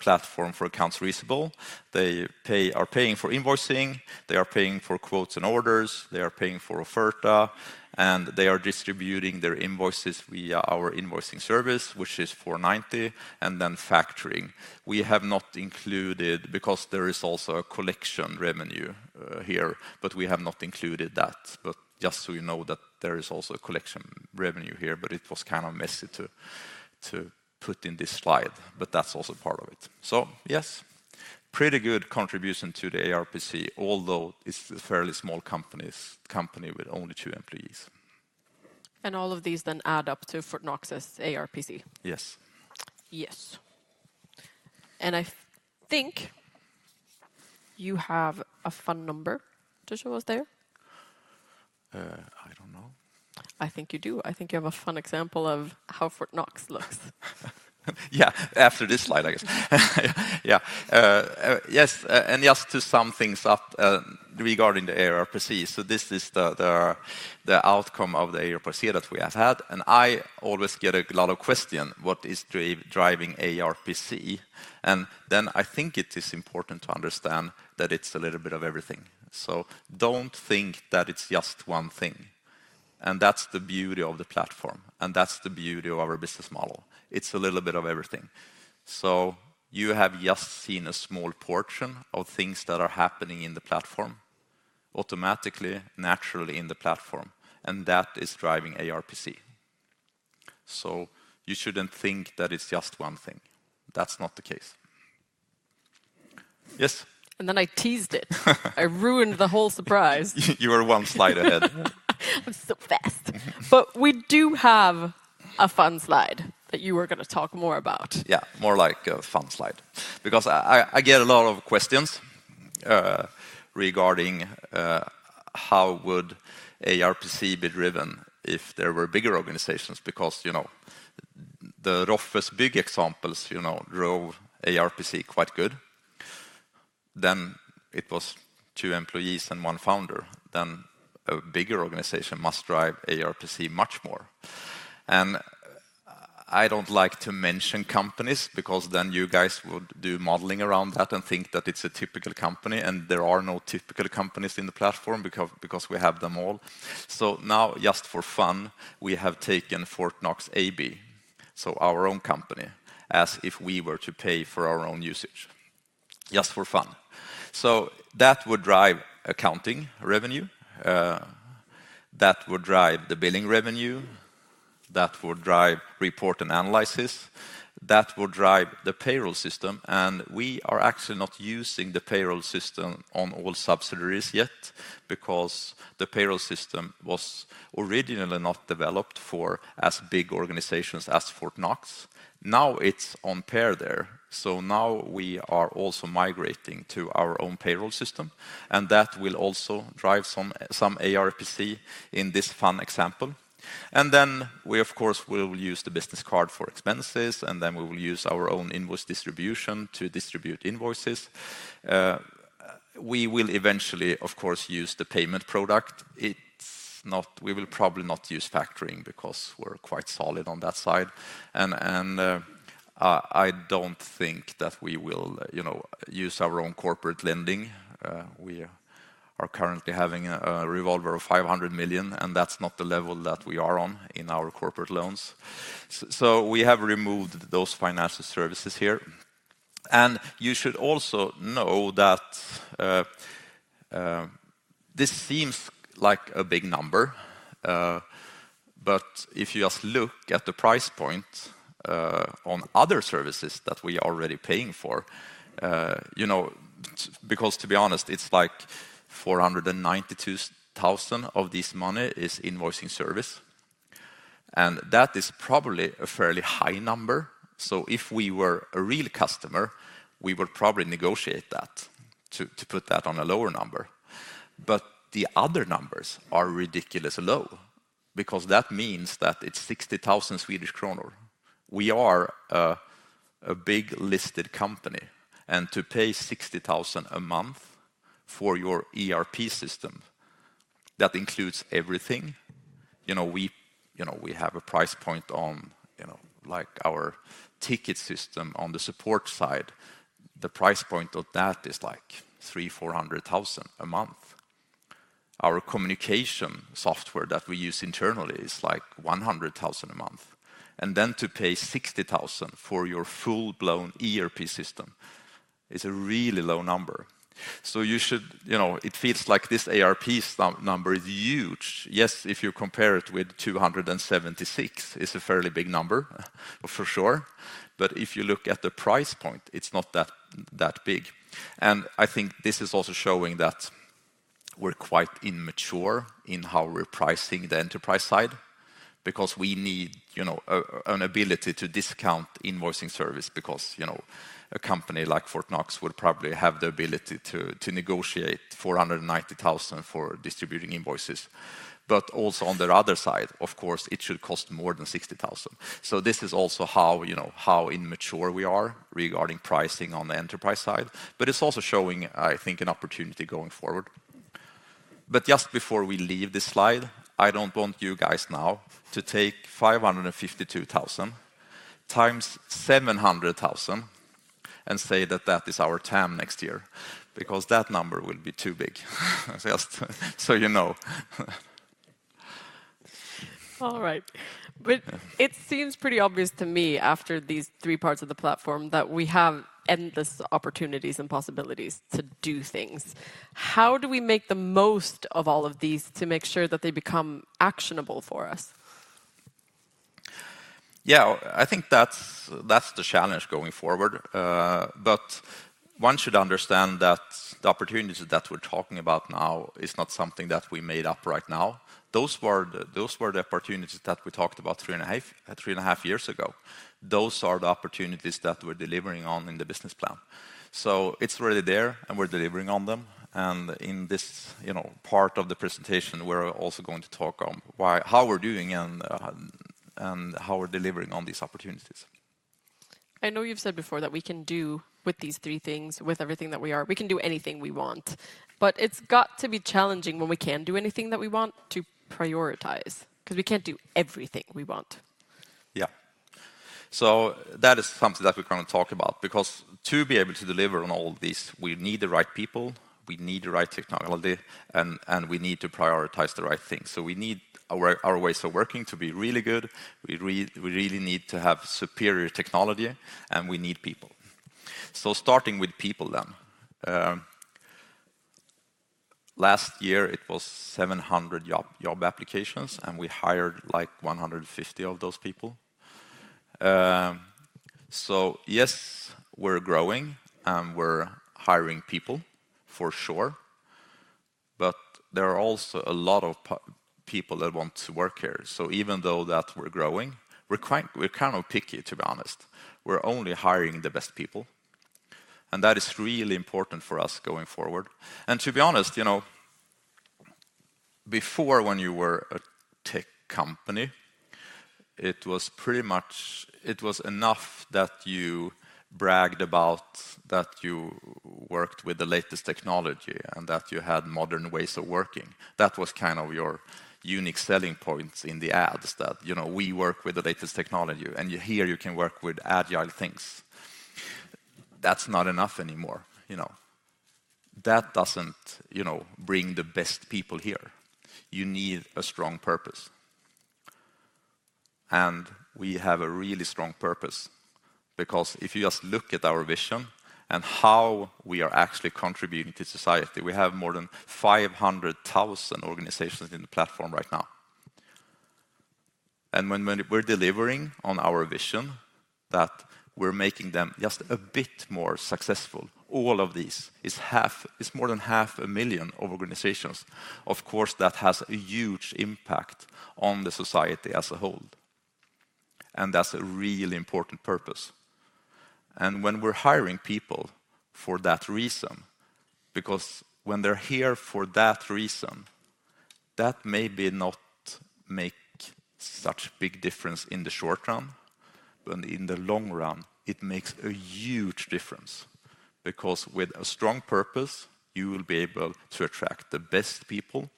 platform for accounts receivable, they are paying for invoicing, they are paying for quotes and orders, they are paying for Offerta, and they are distributing their invoices via our invoicing service, which is 490, and then factoring. We have not included, because there is also a collection revenue here, but we have not included that. But just so you know that there is also a collection revenue here, but it was messy to put in this slide, but that's also part of it. So yes, pretty good contribution to the ARPC, although it's a fairly small company with only two employees. All of these then add up to Fortnox's ARPC? Yes. Yes. I think you have a fun number to show us there. I don't know. I think you do. I think you have a fun example of how Fortnox looks. After this slide, I guess. Yes, and just to sum things up, regarding the ARPC, so this is the outcome of the ARPC that we have had, and I always get a lot of question, "What is driving ARPC?" And then I think it is important to understand that it's a little bit of everything. So don't think that it's just one thing, and that's the beauty of the platform, and that's the beauty of our business model. It's a little bit of everything. So you have just seen a small portion of things that are happening in the platform, automatically, naturally in the platform, and that is driving ARPC. So you shouldn't think that it's just one thing. That's not the case. Yes? And then I teased it. I ruined the whole surprise. You were one slide ahead. I'm so fast. But we do have a fun slide that you were gonna talk more about. More like a fun slide. Because I get a lot of questions regarding how would ARPC be driven if there were bigger organizations, because, you know, the Roffes's big examples, you know, drove ARPC quite good. Then it was two employees and one founder, then a bigger organization must drive ARPC much more. And I don't like to mention companies, because then you guys would do modeling around that and think that it's a typical company, and there are no typical companies in the platform because we have them all. So now, just for fun, we have taken Fortnox AB, so our own company, as if we were to pay for our own usage, just for fun. So that would drive accounting revenue, that would drive the billing revenue, that would drive report and analysis, that would drive the payroll system. We are actually not using the payroll system on all subsidiaries yet, because the payroll system was originally not developed for as big organizations as Fortnox. Now, it's on par there. So now we are also migrating to our own payroll system, and that will also drive some ARPC in this fun example. Then we, of course, will use the business card for expenses, and then we will use our own invoice distribution to distribute invoices. We will eventually, of course, use the payment product. It's not, we will probably not use factoring because we're quite solid on that side. And I don't think that we will, you know, use our own corporate lending. We are currently having a revolver of 500 million, and that's not the level that we are on in our corporate loans. So we have removed those financial services here. And you should also know that this seems like a big number, but if you just look at the price point on other services that we are already paying for, you know, because to be honest, it's like 492,000 of this money is invoicing service, and that is probably a fairly high number. So if we were a real customer, we would probably negotiate that to put that on a lower number. But the other numbers are ridiculously low, because that means that it's 60,000 Swedish kronor. We are a big listed company, and to pay 60,000 a month for your ERP system, that includes everything. You know, we have a price point on, you know, like our ticket system on the support side. The price point of that is like 300,000-400,000 a month. Our communication software that we use internally is like 100,000 a month, and then to pay 60,000 for your full-blown ERP system is a really low number. So you should. It feels like this ARPC number is huge. Yes, if you compare it with 276, it's a fairly big number, for sure. But if you look at the price point, it's not that, that big. And I think this is also showing that we're quite immature in how we're pricing the enterprise side, because we need, you know, a, an ability to discount invoicing service, because, you know, a company like Fortnox would probably have the ability to, to negotiate 490,000 for distributing invoices. But also on the other side, of course, it should cost more than 60,000. So this is also how, you know, how immature we are regarding pricing on the enterprise side, but it's also showing, I think, an opportunity going forward. But just before we leave this slide, I don't want you guys now to take 552,000 times 700,000 and say that that is our TAM next year, because that number will be too big. Just so you know. All right. But it seems pretty obvious to me, after these three parts of the platform, that we have endless opportunities and possibilities to do things. How do we make the most of all of these to make sure that they become actionable for us? I think that's, that's the challenge going forward. But one should understand that the opportunities that we're talking about now is not something that we made up right now. Those were, those were the opportunities that we talked about 3.5 years ago. Those are the opportunities that we're delivering on in the business plan. So it's really there, and we're delivering on them, and in this, you know, part of the presentation, we're also going to talk on how we're doing and how we're delivering on these opportunities. I know you've said before that we can do with these three things, with everything that we are, we can do anything we want, but it's got to be challenging when we can do anything that we want to prioritize, 'cause we can't do everything we want. So that is something that we're gonna talk about, because to be able to deliver on all this, we need the right people, we need the right technology, and we need to prioritize the right things. So we need our ways of working to be really good, we really need to have superior technology, and we need people. So starting with people, then. Last year it was 700 job applications, and we hired, like, 150 of those people. So yes, we're growing, and we're hiring people, for sure, but there are also a lot of people that want to work here. So even though that we're growing, we're quite, we're picky, to be honest. We're only hiring the best people, and that is really important for us going forward. To be honest, you know, before when you were a tech company, it was pretty much. It was enough that you bragged about that you worked with the latest technology and that you had modern ways of working. That was your unique selling points in the ads, that, you know, we work with the latest technology, and here, you can work with agile things. That's not enough anymore, you know. That doesn't, you know, bring the best people here. You need a strong purpose, and we have a really strong purpose, because if you just look at our vision and how we are actually contributing to society, we have more than 500,000 organizations in the platform right now. When we're delivering on our vision, that we're making them just a bit more successful, all of these is more than 500,000 organizations. Of course, that has a huge impact on the society as a whole, and that's a really important purpose. When we're hiring people for that reason, because when they're here for that reason, that may not make such big difference in the short term, but in the long run, it makes a huge difference. Because with a strong purpose, you will be able to attract the best people,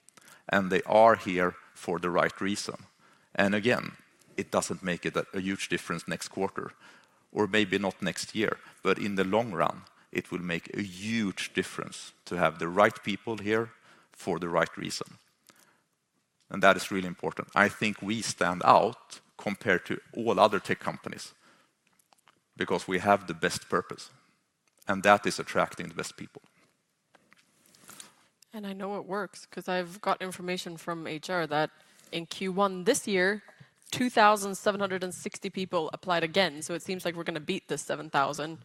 and they are here for the right reason. Again, it doesn't make a huge difference next quarter, or maybe not next year, but in the long run, it will make a huge difference to have the right people here for the right reason. And that is really important. I think we stand out compared to all other tech companies, because we have the best purpose, and that is attracting the best people. And I know it works, 'cause I've got information from HR that in Q1 this year, 2,760 people applied again, so it seems like we're gonna beat the 7,000,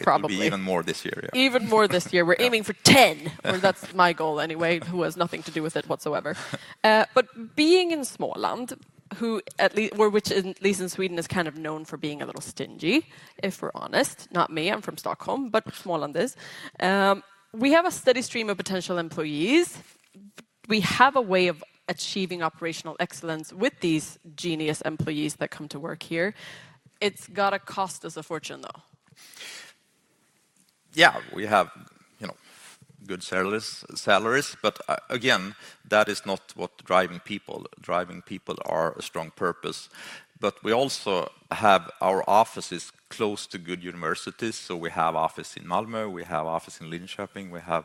probably. It will be even more this year. Even more this year. We're aiming for 10! Well, that's my goal, anyway, who has nothing to do with it whatsoever. But being in Småland, which, at least in Sweden, is known for being a little stingy, if we're honest. Not me, I'm from Stockholm, but Småland is. We have a steady stream of potential employees. We have a way of achieving operational excellence with these genius employees that come to work here. It's gotta cost us a fortune, though. We have good salaries, salaries, but again, that is not what driving people. Driving people are a strong purpose. But we also have our offices close to good universities, so we have office in Malmö, we have office in Linköping, we have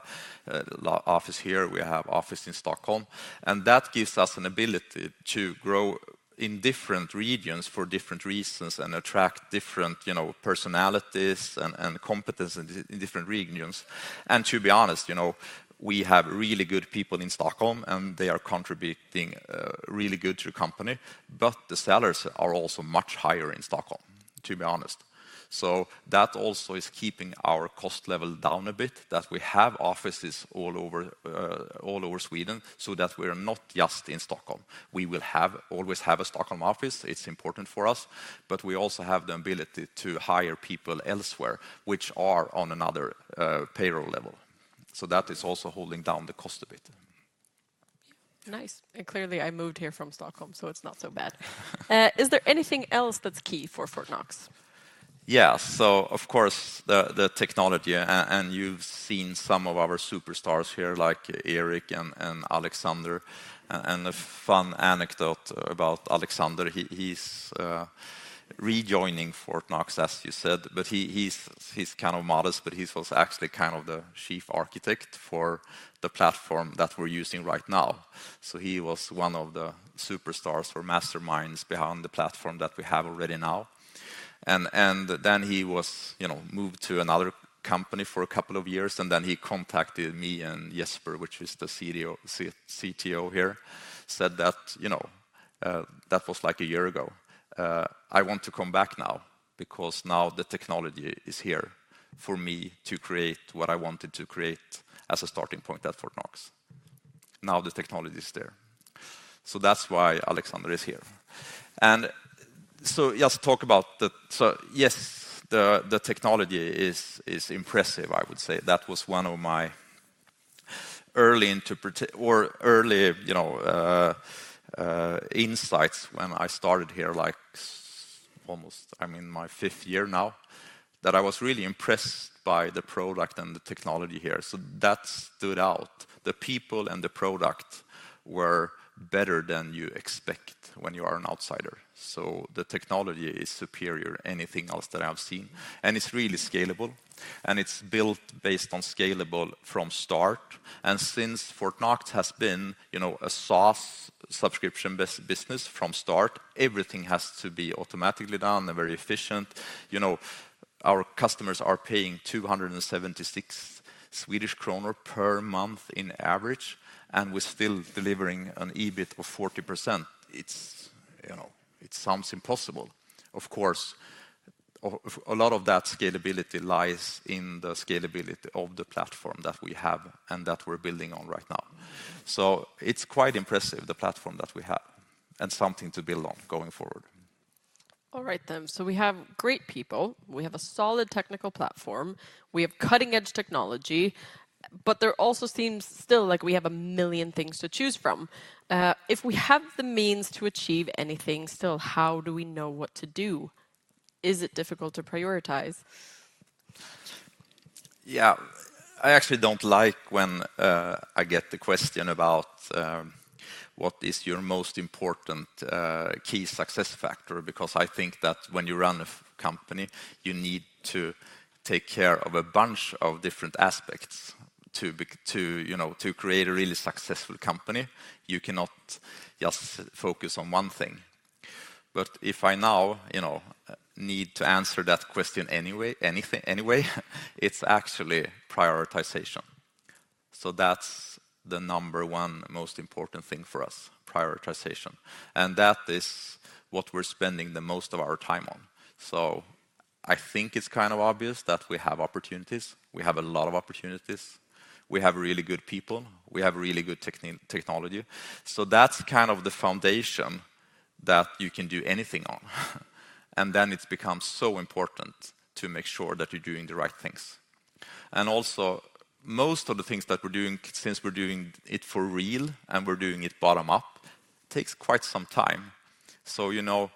office here, we have office in Stockholm, and that gives us an ability to grow in different regions for different reasons and attract different, you know, personalities and competence in different regions. And to be honest, you know, we have really good people in Stockholm, and they are contributing really good to the company, but the salaries are also much higher in Stockholm, to be honest. So that also is keeping our cost level down a bit, that we have offices all over all over Sweden, so that we're not just in Stockholm. We will have, always have a Stockholm office. It's important for us, but we also have the ability to hire people elsewhere, which are on another, payroll level. So that is also holding down the cost a bit. Nice. And clearly, I moved here from Stockholm, so it's not so bad. Is there anything else that's key for Fortnox? So of course, the technology, and you've seen some of our superstars here, like Erik and Alexander. And a fun anecdote about Alexander, he’s rejoining Fortnox, as you said, but he’s modest, but he was actually the chief architect for the platform that we’re using right now. So he was one of the superstars or masterminds behind the platform that we have already now. And then he was, you know, moved to another company for a couple of years, and then he contacted me and Jesper, which is the CTO here, said that, you know, that was, like, a year ago, “I want to come back now, because now the technology is here for me to create what I wanted to create as a starting point at Fortnox.” Now, the technology is there." So that's why Alexander is here. So yes, the technology is impressive, I would say. That was one of my early insights when I started here, like, almost I'm in my fifth year now. That I was really impressed by the product and the technology here, so that stood out. The people and the product were better than you expect when you are an outsider. So the technology is superior, anything else that I've seen, and it's really scalable, and it's built based on scalable from start. And since Fortnox has been, you know, a SaaS subscription-based business from start, everything has to be automatically done and very efficient. You know, our customers are paying 276 Swedish kronor per month in average, and we're still delivering an EBIT of 40%. It's, you know, it sounds impossible. Of course, a lot of that scalability lies in the scalability of the platform that we have and that we're building on right now. So it's quite impressive, the platform that we have, and something to build on going forward. All right, then. So we have great people. We have a solid technical platform. We have cutting-edge technology, but there also seems still like we have a million things to choose from. If we have the means to achieve anything, still, how do we know what to do? Is it difficult to prioritize? I actually don't like when I get the question about, "What is your most important key success factor?" Because I think that when you run a company, you need to take care of a bunch of different aspects to, you know, to create a really successful company, you cannot just focus on one thing. But if I now, you know, need to answer that question anyway, it's actually prioritization. So that's the number one most important thing for us, prioritization, and that is what we're spending the most of our time on. So I think it's obvious that we have opportunities. We have a lot of opportunities. We have really good people. We have really good technology. So that's the foundation that you can do anything on. And then it becomes so important to make sure that you're doing the right things. And also, most of the things that we're doing, since we're doing it for real, and we're doing it bottom up, takes quite some time. So, you know,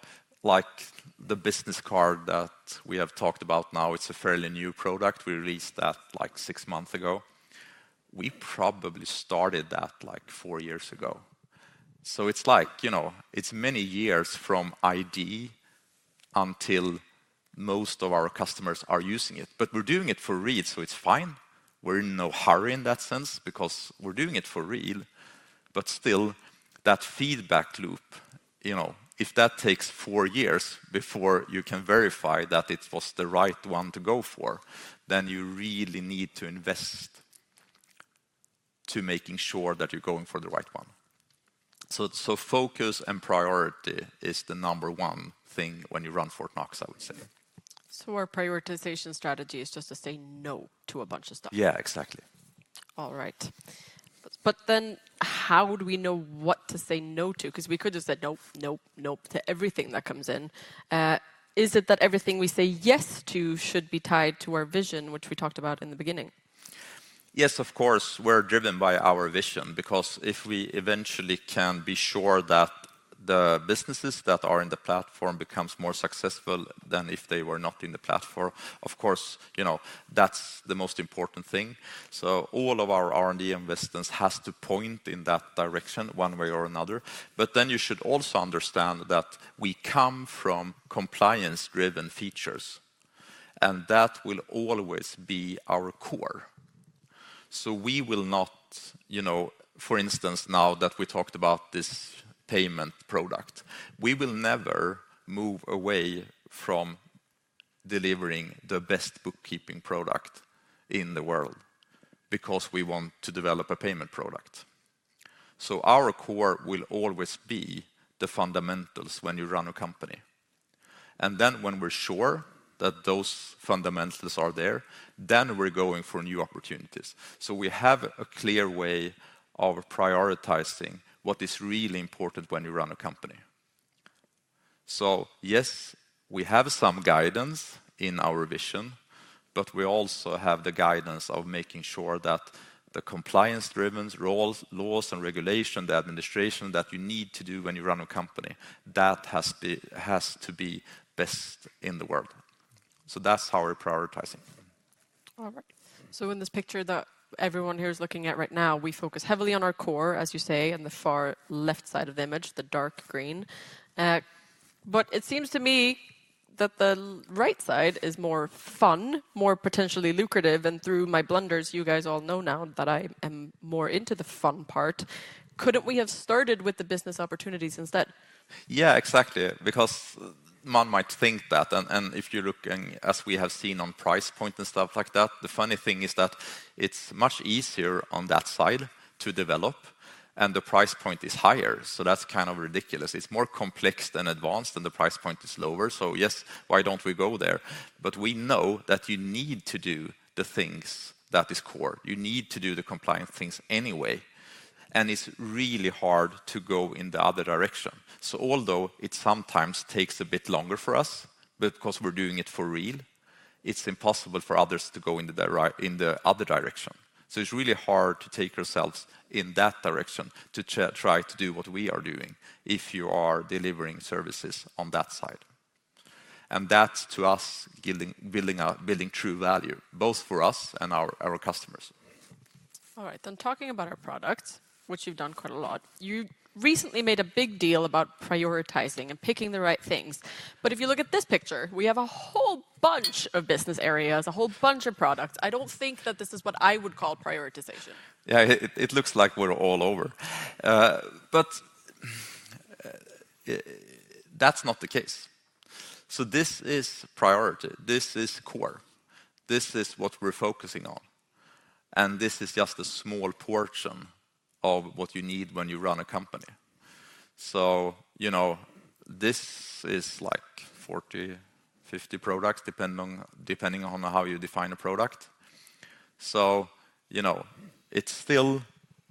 like the business card that we have talked about now, it's a fairly new product. We released that, like, 6 months ago. We probably started that, like, 4 years ago. So it's like, you know, it's many years from idea until most of our customers are using it. But we're doing it for real, so it's fine. We're in no hurry in that sense because we're doing it for real. But still, that feedback loop, you know, if that takes four years before you can verify that it was the right one to go for, then you really need to invest to making sure that you're going for the right one. So, so focus and priority is the number one thing when you run Fortnox, I would say. Our prioritization strategy is just to say no to a bunch of stuff? Exactly. All right. But then how would we know what to say no to? Because we could have just said, "Nope, nope, nope," to everything that comes in. Is it that everything we say yes to should be tied to our vision, which we talked about in the beginning? Yes, of course. We're driven by our vision because if we eventually can be sure that the businesses that are in the platform becomes more successful than if they were not in the platform, of course, you know, that's the most important thing. So all of our R&D investments has to point in that direction, one way or another. But then you should also understand that we come from compliance-driven features, and that will always be our core. So we will not, for instance, now that we talked about this payment product, we will never move away from delivering the best bookkeeping product in the world because we want to develop a payment product. So our core will always be the fundamentals when you run a company, and then when we're sure that those fundamentals are there, then we're going for new opportunities. So we have a clear way of prioritizing what is really important when you run a company. So yes, we have some guidance in our vision, but we also have the guidance of making sure that the compliance-driven roles, laws, and regulation, the administration that you need to do when you run a company, that has to be best in the world. So that's how we're prioritizing. All right. So in this picture that everyone here is looking at right now, we focus heavily on our core, as you say, in the far left side of the image, the dark green. But it seems to me that the right side is more fun, more potentially lucrative, and through my blunders, you guys all know now that I am more into the fun part. Couldn't we have started with the business opportunities instead? Exactly, because one might think that, and, and if you're looking, as we have seen on price point and stuff like that, the funny thing is that it's much easier on that side to develop, and the price point is higher, so that's ridiculous. It's more complex than advanced, and the price point is lower. So yes, why don't we go there? But we know that you need to do the things that is core. You need to do the compliance things anyway, and it's really hard to go in the other direction. So although it sometimes takes a bit longer for us, but because we're doing it for real, it's impossible for others to go into the right- in the other direction. It's really hard to take yourselves in that direction to try to do what we are doing if you are delivering services on that side. And that's, to us, building true value, both for us and our customers. All right, then talking about our products, which you've done quite a lot, you recently made a big deal about prioritizing and picking the right things. But if you look at this picture, we have a whole bunch of business areas, a whole bunch of products. I don't think that this is what I would call prioritization. It looks like we're all over. But that's not the case. So this is priority. This is core. This is what we're focusing on, and this is just a small portion of what you need when you run a company. So, you know, this is, like, 40, 50 products, depending on how you define a product. So, you know, it's still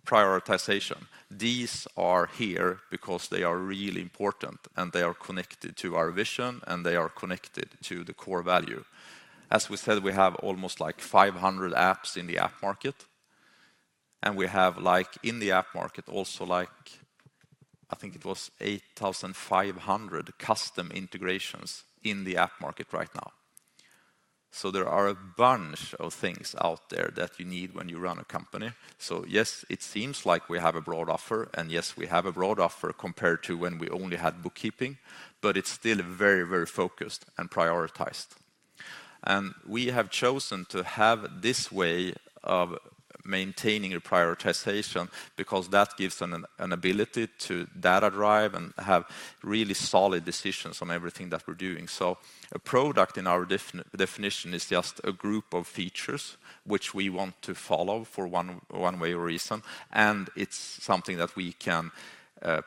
prioritization. These are here because they are really important, and they are connected to our vision, and they are connected to the core value. As we said, we have almost, like, 500 apps in the App Market, and we have, like, in the App Market, also, like, I think it was 8,500 custom integrations in the App Market right now. So there are a bunch of things out there that you need when you run a company. So yes, it seems like we have a broad offer, and yes, we have a broad offer compared to when we only had bookkeeping, but it's still very, very focused and prioritized. We have chosen to have this way of maintaining a prioritization because that gives an ability to data drive and have really solid decisions on everything that we're doing. A product, in our definition, is just a group of features which we want to follow for one way or reason, and it's something that we can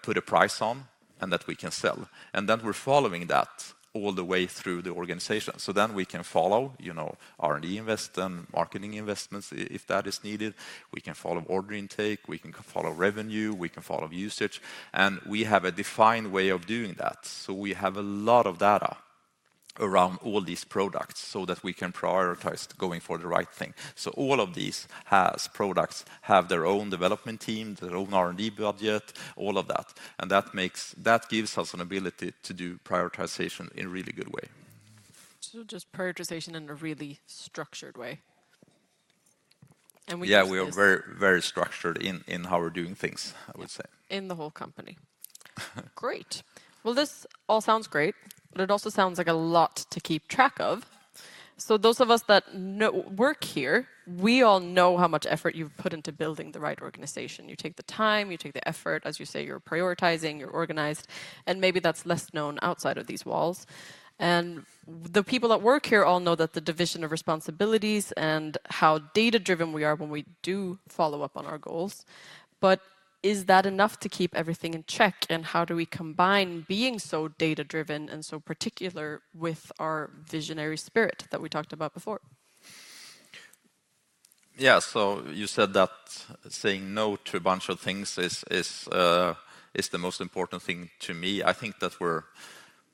put a price on and that we can sell, and then we're following that all the way through the organization. Then we can follow, you know, R&D invest and marketing investments if that is needed. We can follow order intake, we can follow revenue, we can follow usage, and we have a defined way of doing that. So we have a lot of data around all these products so that we can prioritize going for the right thing. So all of these products have their own development team, their own R&D budget, all of that, and that gives us an ability to do prioritization in a really good way. Just prioritization in a really structured way, and we- We are very, very structured in how we're doing things, I would say. In the whole company. Great! Well, this all sounds great, but it also sounds like a lot to keep track of. So those of us that know work here, we all know how much effort you've put into building the right organization. You take the time, you take the effort. As you say, you're prioritizing, you're organized, and maybe that's less known outside of these walls. And the people that work here all know that the division of responsibilities and how data-driven we are when we do follow up on our goals. But is that enough to keep everything in check? And how do we combine being so data-driven and so particular with our visionary spirit that we talked about before? So you said that saying no to a bunch of things is the most important thing to me. I think that we're.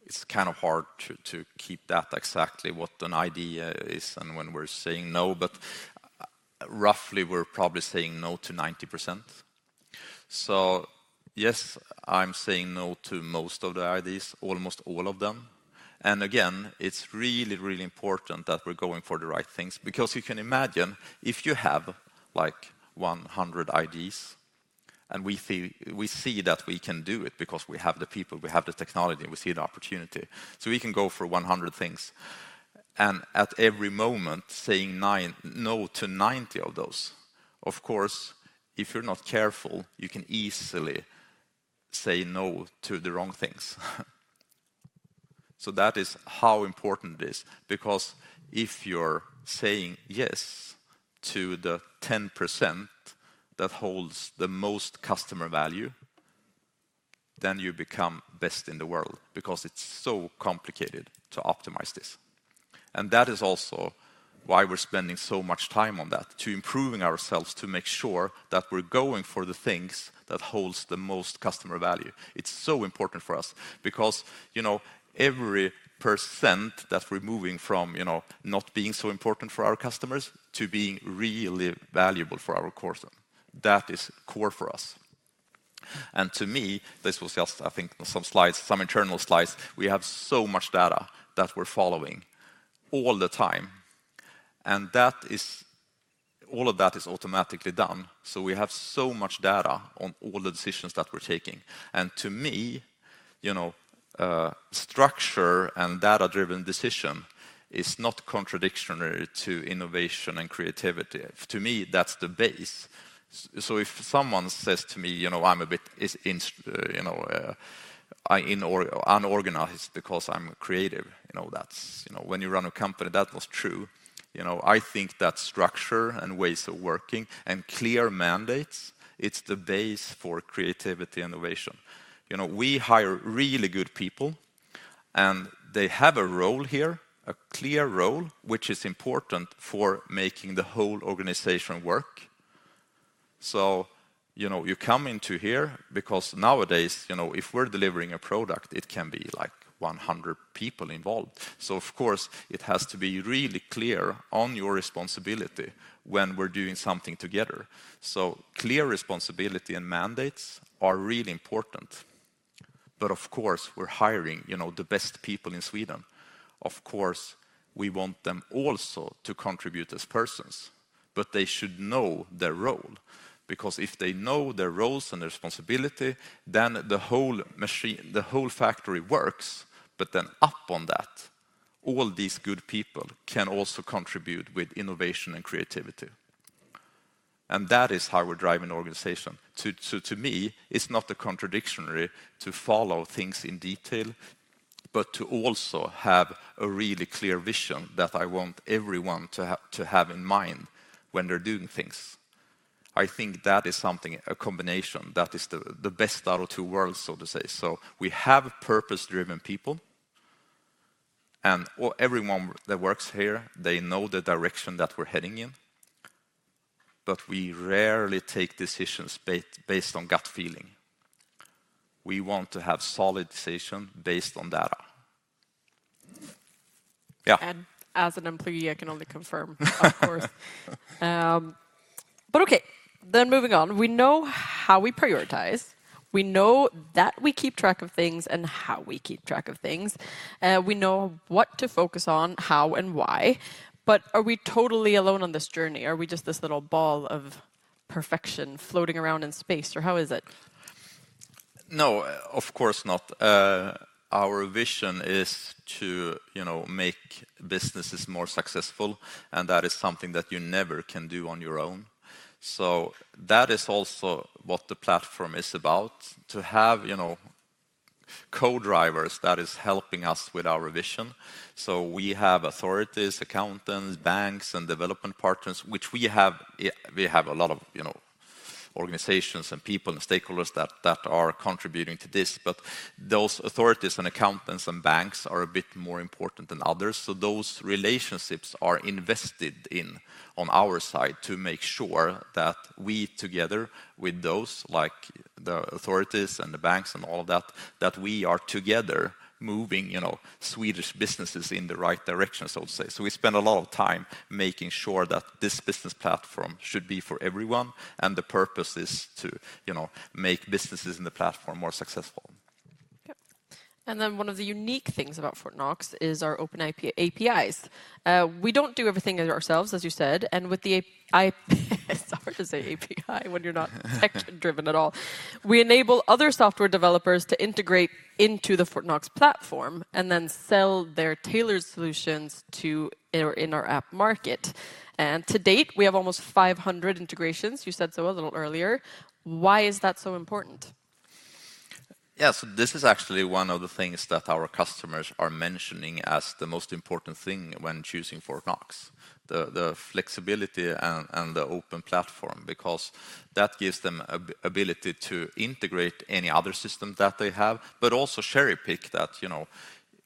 It's hard to keep that exactly what an idea is and when we're saying no, but roughly, we're probably saying no to 90%. So yes, I'm saying no to most of the ideas, almost all of them. And again, it's really, really important that we're going for the right things, because you can imagine if you have, like, 100 ideas, and we see that we can do it because we have the people, we have the technology, we see the opportunity, so we can go for 100 things, and at every moment, saying no to 90 of those. Of course, if you're not careful, you can easily say no to the wrong things. So that is how important it is, because if you're saying yes to the 10% that holds the most customer value, then you become best in the world, because it's so complicated to optimize this and that is also why we're spending so much time on that, to improving ourselves to make sure that we're going for the things that holds the most customer value. It's so important for us because, you know, every percent that we're moving from, you know, not being so important for our customers to being really valuable for our course, that is core for us. And to me, this was just, I think, some slides, some internal slides, we have so much data that we're following all the time, and that is all of that is automatically done, so we have so much data on all the decisions that we're taking. To me, you know, structure and data-driven decision is not contradictory to innovation and creativity. To me, that's the base. So if someone says to me, you know, I'm a bit unorganized because I'm creative, you know, that's, you know. When you run a company, that was true. You know, I think that structure and ways of working and clear mandates, it's the base for creativity, innovation. You know, we hire really good people, and they have a role here, a clear role, which is important for making the whole organization work. So, you know, you come into here because nowadays, you know, if we're delivering a product, it can be, like, 100 people involved. So of course, it has to be really clear on your responsibility when we're doing something together. So clear responsibility and mandates are really important. But of course, we're hiring, you know, the best people in Sweden. Of course, we want them also to contribute as persons, but they should know their role, because if they know their roles and responsibility, then the whole machine, the whole factory works, but then up on that, all these good people can also contribute with innovation and creativity. And that is how we're driving the organization. To, so to me, it's not the contradictory to follow things in detail, but to also have a really clear vision that I want everyone to have, to have in mind when they're doing things. I think that is something, a combination, that is the, the best out of two worlds, so to say. So we have purpose-driven people, and all everyone that works here, they know the direction that we're heading in, but we rarely take decisions based on gut feeling. We want to have solid decision based on data. As an employee, I can only confirm, of course. Okay, then moving on. We know how we prioritize. We know that we keep track of things and how we keep track of things. We know what to focus on, how and why, but are we totally alone on this journey? Are we just this little ball of perfection floating around in space, or how is it? No, of course not. Our vision is to, you know, make businesses more successful, and that is something that you never can do on your own. So that is also what the platform is about, to have, you know, co-drivers that is helping us with our vision. So we have authorities, accountants, banks, and development partners, which we have, we have a lot of, you know, organizations and people and stakeholders that, that are contributing to this. But those authorities and accountants and banks are a bit more important than others, so those relationships are invested in on our side to make sure that we, together with those, like the authorities and the banks and all that, that we are together moving, you know, Swedish businesses in the right direction, so to say. We spend a lot of time making sure that this business platform should be for everyone, and the purpose is to, you know, make businesses in the platform more successful. Yep. And then one of the unique things about Fortnox is our open APIs. We don't do everything ourselves, as you said, and with the it's hard to say API when you're not tech-driven at all. We enable other software developers to integrate into the Fortnox platform and then sell their tailored solutions in our app market. And to date, we have almost 500 integrations. You said so a little earlier. Why is that so important? So this is actually one of the things that our customers are mentioning as the most important thing when choosing Fortnox, the flexibility and the open platform, because that gives them ability to integrate any other system that they have, but also cherry-pick that. You know,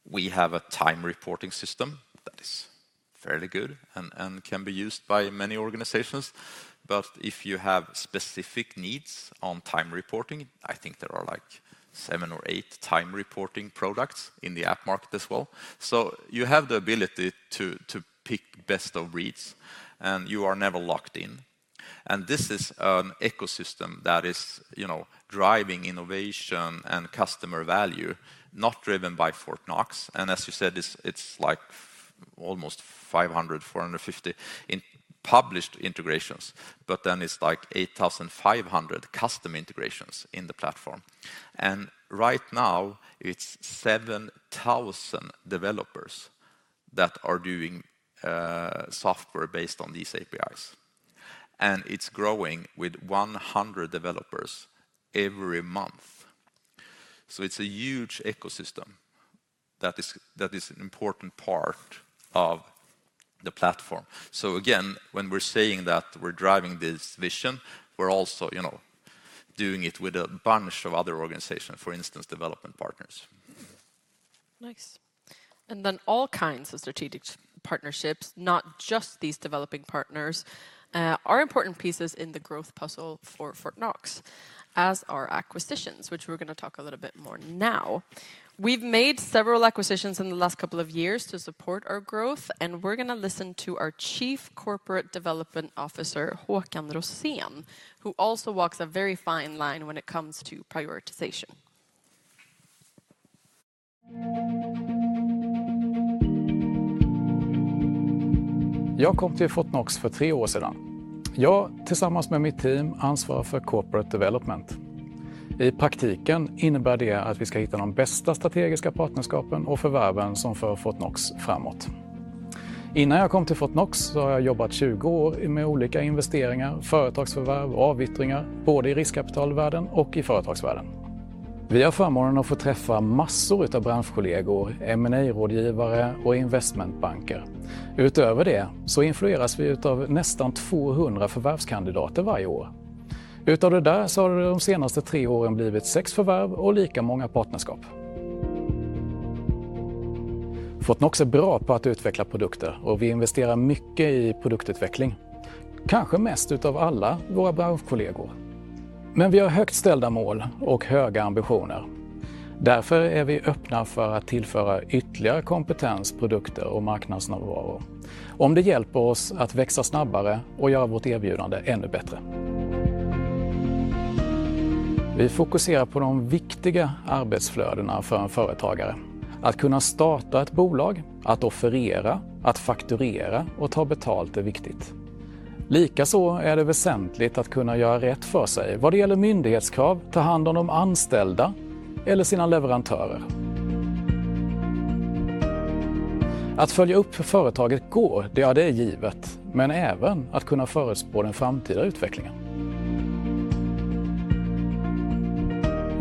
we have a time reporting system that is fairly good and can be used by many organizations. But if you have specific needs on time reporting, I think there are, like, seven or eight time reporting products in the app market as well. So you have the ability to pick best of breeds, and you are never locked in. And this is an ecosystem that is, you know, driving innovation and customer value, not driven by Fortnox. And as you said, it's like almost 500, 450 in published integrations, but then it's like 8,500 custom integrations in the platform. And right now, it's 7,000 developers that are doing software based on these APIs, and it's growing with 100 developers every month. So it's a huge ecosystem that is an important part of the platform. So again, when we're saying that we're driving this vision, we're also, you know, doing it with a bunch of other organizations, for instance, development partners. Nice. And then all kinds of strategic partnerships, not just these developing partners, are important pieces in the growth puzzle for Fortnox, as are acquisitions, which we're going to talk a little bit more now. We've made several acquisitions in the last couple of years to support our growth, and we're going to listen to our Chief Corporate Development Officer, Håkan Rosén, who also walks a very fine line when it comes to prioritization. I came to Fortnox three years ago. Together with my team, I am responsible for corporate development. In practice, this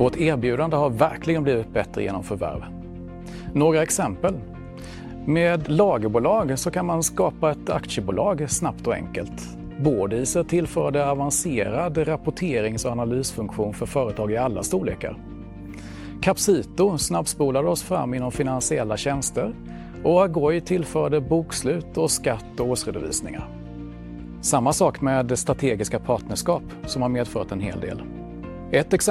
means that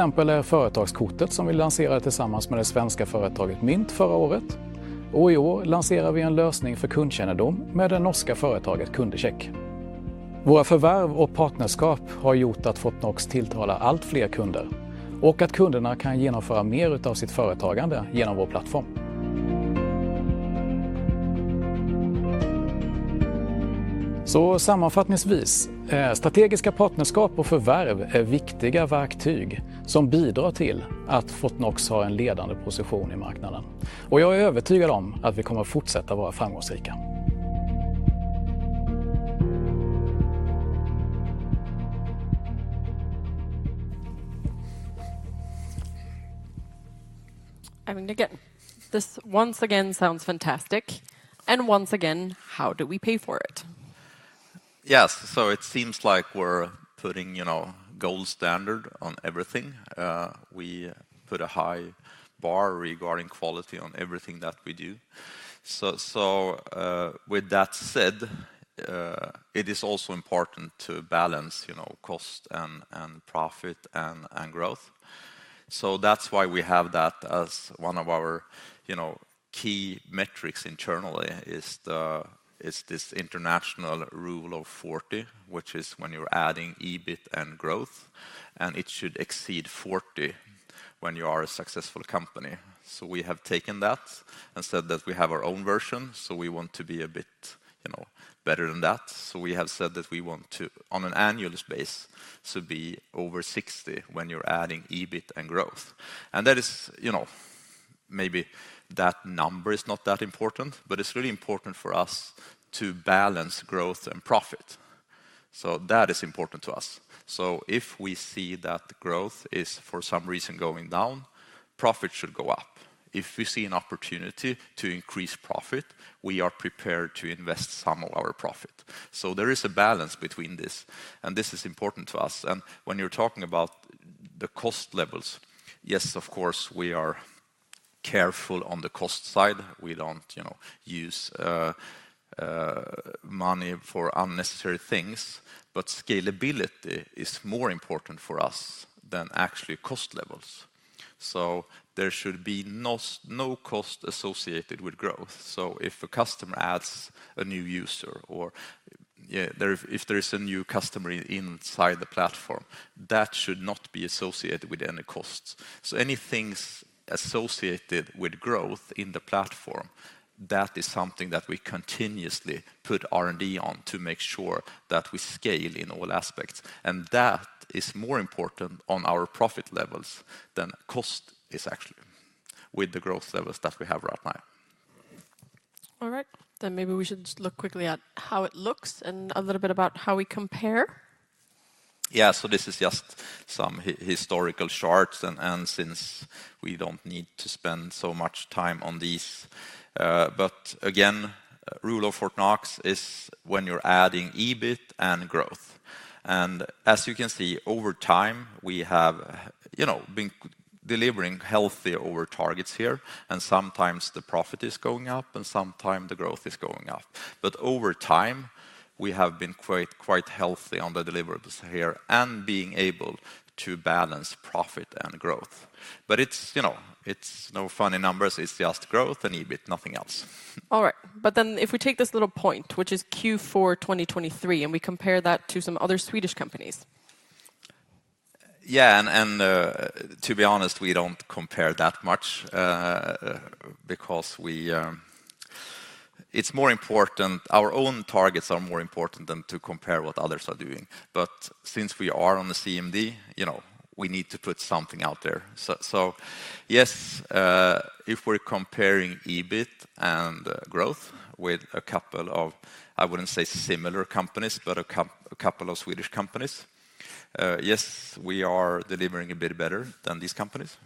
Yes, so it seems like we're putting, you know, gold standard on everything. We put a high bar regarding quality on everything that we do. So, with that said, it is also important to balance, you know, cost and profit and growth. So that's why we have that as one of our, you know, key metrics internally is this international Rule of 40, which is when you're adding EBIT and growth, and it should exceed 40 when you are a successful company. So we have taken that and said that we have our own version, so we want to be a bit, you know, better than that. So we have said that we want to, on an annual basis, to be over 60 when you're adding EBIT and growth. And that is, you know, maybe that number is not that important, but it's really important for us to balance growth and profit. So that is important to us. So if we see that the growth is, for some reason, going down, profit should go up. If we see an opportunity to increase profit, we are prepared to invest some of our profit. So there is a balance between this, and this is important to us. And when you're talking about the cost levels, yes, of course, we are careful on the cost side. We don't, you know, use money for unnecessary things, but scalability is more important for us than actually cost levels. So there should be no cost associated with growth. If a customer adds a new user or if there is a new customer inside the platform, that should not be associated with any costs. Anything associated with growth in the platform is something that we continuously put R&D on to make sure that we scale in all aspects. That is more important on our profit levels than cost is actually, with the growth levels that we have right now. All right. Then maybe we should just look quickly at how it looks and a little bit about how we compare. So this is just some historical charts, and since we don't need to spend so much time on these, but again, Rule of Fortnox is when you're adding EBIT and growth. And as you can see, over time, we have, you know, been delivering healthy over targets here, and sometimes the profit is going up, and sometimes the growth is going up. But over time, we have been quite healthy on the deliverables here, and being able to balance profit and growth. But it's, you know, it's no funny numbers, it's just growth and EBIT, nothing else. All right, but then if we take this little point, which is Q4 2023, and we compare that to some other Swedish companies. And to be honest, we don't compare that much, because we, it's more important—our own targets are more important than to compare what others are doing. But since we are on the CMD, you know, we need to put something out there. So yes, if we're comparing EBIT and growth with a couple of, I wouldn't say similar companies, but a couple of Swedish companies, yes, we are delivering a bit better than these companies.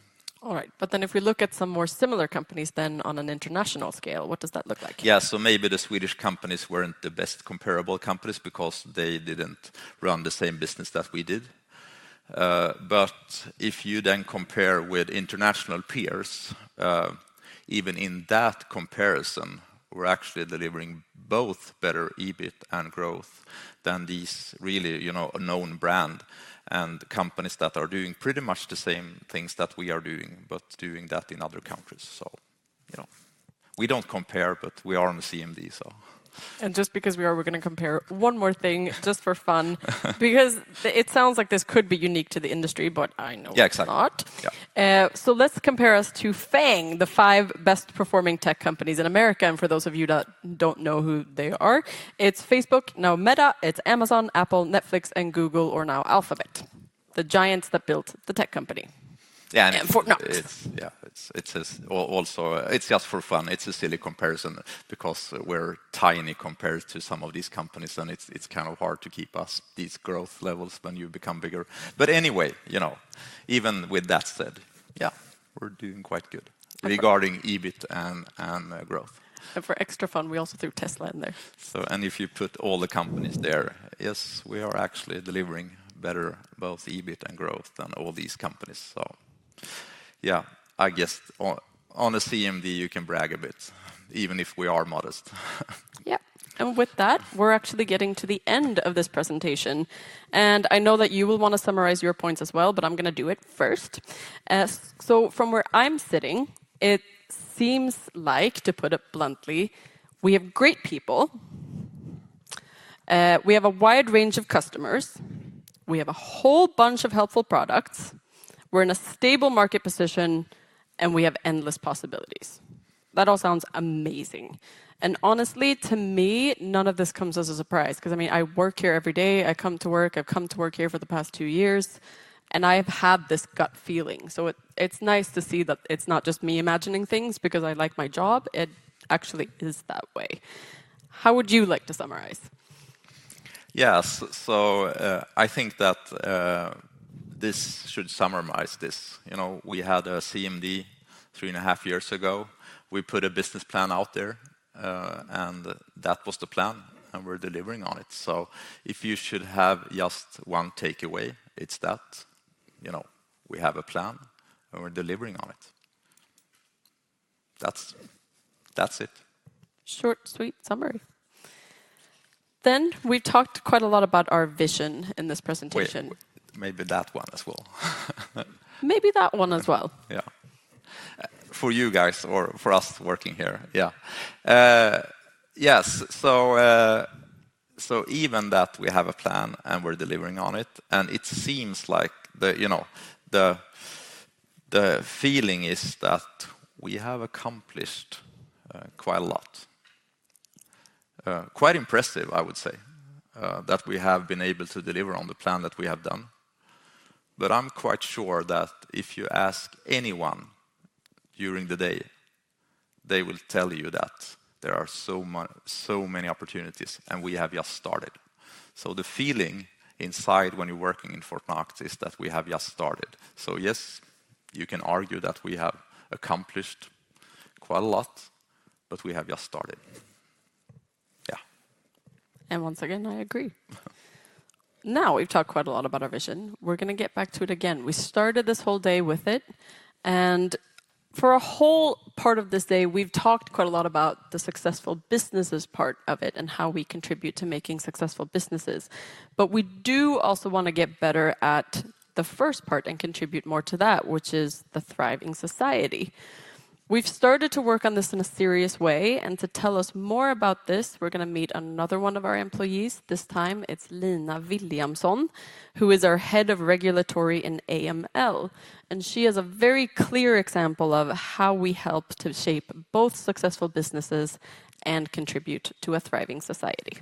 All right, but then if we look at some more similar companies, then, on an international scale, what does that look like? So maybe the Swedish companies weren't the best comparable companies because they didn't run the same business that we did. But if you then compare with international peers, even in that comparison, we're actually delivering both better EBIT and growth than these really, you know, a known brand, and companies that are doing pretty much the same things that we are doing, but doing that in other countries. So, you know, we don't compare, but we are on a CMD. Just because we are, we're gonna compare one more thing, just for fun. Because it sounds like this could be unique to the industry, but I know- Exactly It's not. Let's compare us to FAANG, the five best-performing tech companies in America, and for those of you that don't know who they are, it's Facebook, now Meta, it's Amazon, Apple, Netflix, and Google, or now Alphabet. The giants that built the tech company. Fortnox Yeah, it's also just for fun. It's a silly comparison because we're tiny compared to some of these companies, and it's hard to keep up these growth levels when you become bigger. But anyway, you know, even with that said, we're doing quite good regarding EBIT and growth. For extra fun, we also threw Tesla in there. If you put all the companies there, yes, we are actually delivering better, both EBIT and growth, than all these companies. So on a CMD, you can brag a bit, even if we are modest. With that, we're actually getting to the end of this presentation, and I know that you will want to summarize your points as well, but I'm gonna do it first. So from where I'm sitting, it seems like, to put it bluntly, we have great people, we have a wide range of customers, we have a whole bunch of helpful products, we're in a stable market position, and we have endless possibilities. That all sounds amazing. And honestly, to me, none of this comes as a surprise, 'cause, I mean, I work here every day. I come to work, I've come to work here for the past two years, and I've had this gut feeling. So it, it's nice to see that it's not just me imagining things because I like my job, it actually is that way. How would you like to summarize? So, I think that, this should summarize this. You know, we had a CMD 3.5 years ago. We put a business plan out there, and that was the plan, and we're delivering on it. So if you should have just one takeaway, it's that, you know, we have a plan, and we're delivering on it. That's, that's it. Short, sweet summary. Then, we talked quite a lot about our vision in this presentation. Wait, maybe that one as well. Maybe that one as well. For you guys or for us working here. Yes, so, so even that we have a plan, and we're delivering on it, and it seems like the, you know, the, the feeling is that we have accomplished quite a lot. Quite impressive, I would say, that we have been able to deliver on the plan that we have done. But I'm quite sure that if you ask anyone during the day, they will tell you that there are so many opportunities, and we have just started. So the feeling inside when you're working in Fortnox is that we have just started. So yes, you can argue that we have accomplished quite a lot, but we have just started. And once again, I agree. Now, we've talked quite a lot about our vision. We're gonna get back to it again. We started this whole day with it, and for a whole part of this day, we've talked quite a lot about the successful businesses part of it and how we contribute to making successful businesses. But we do also wanna get better at the first part and contribute more to that, which is the thriving society. We've started to work on this in a serious way, and to tell us more about this, we're gonna meet another one of our employees. This time, it's Lina Williamsson, who is our Head of Regulatory and AML, and she is a very clear example of how we help to shape both successful businesses and contribute to a thriving society.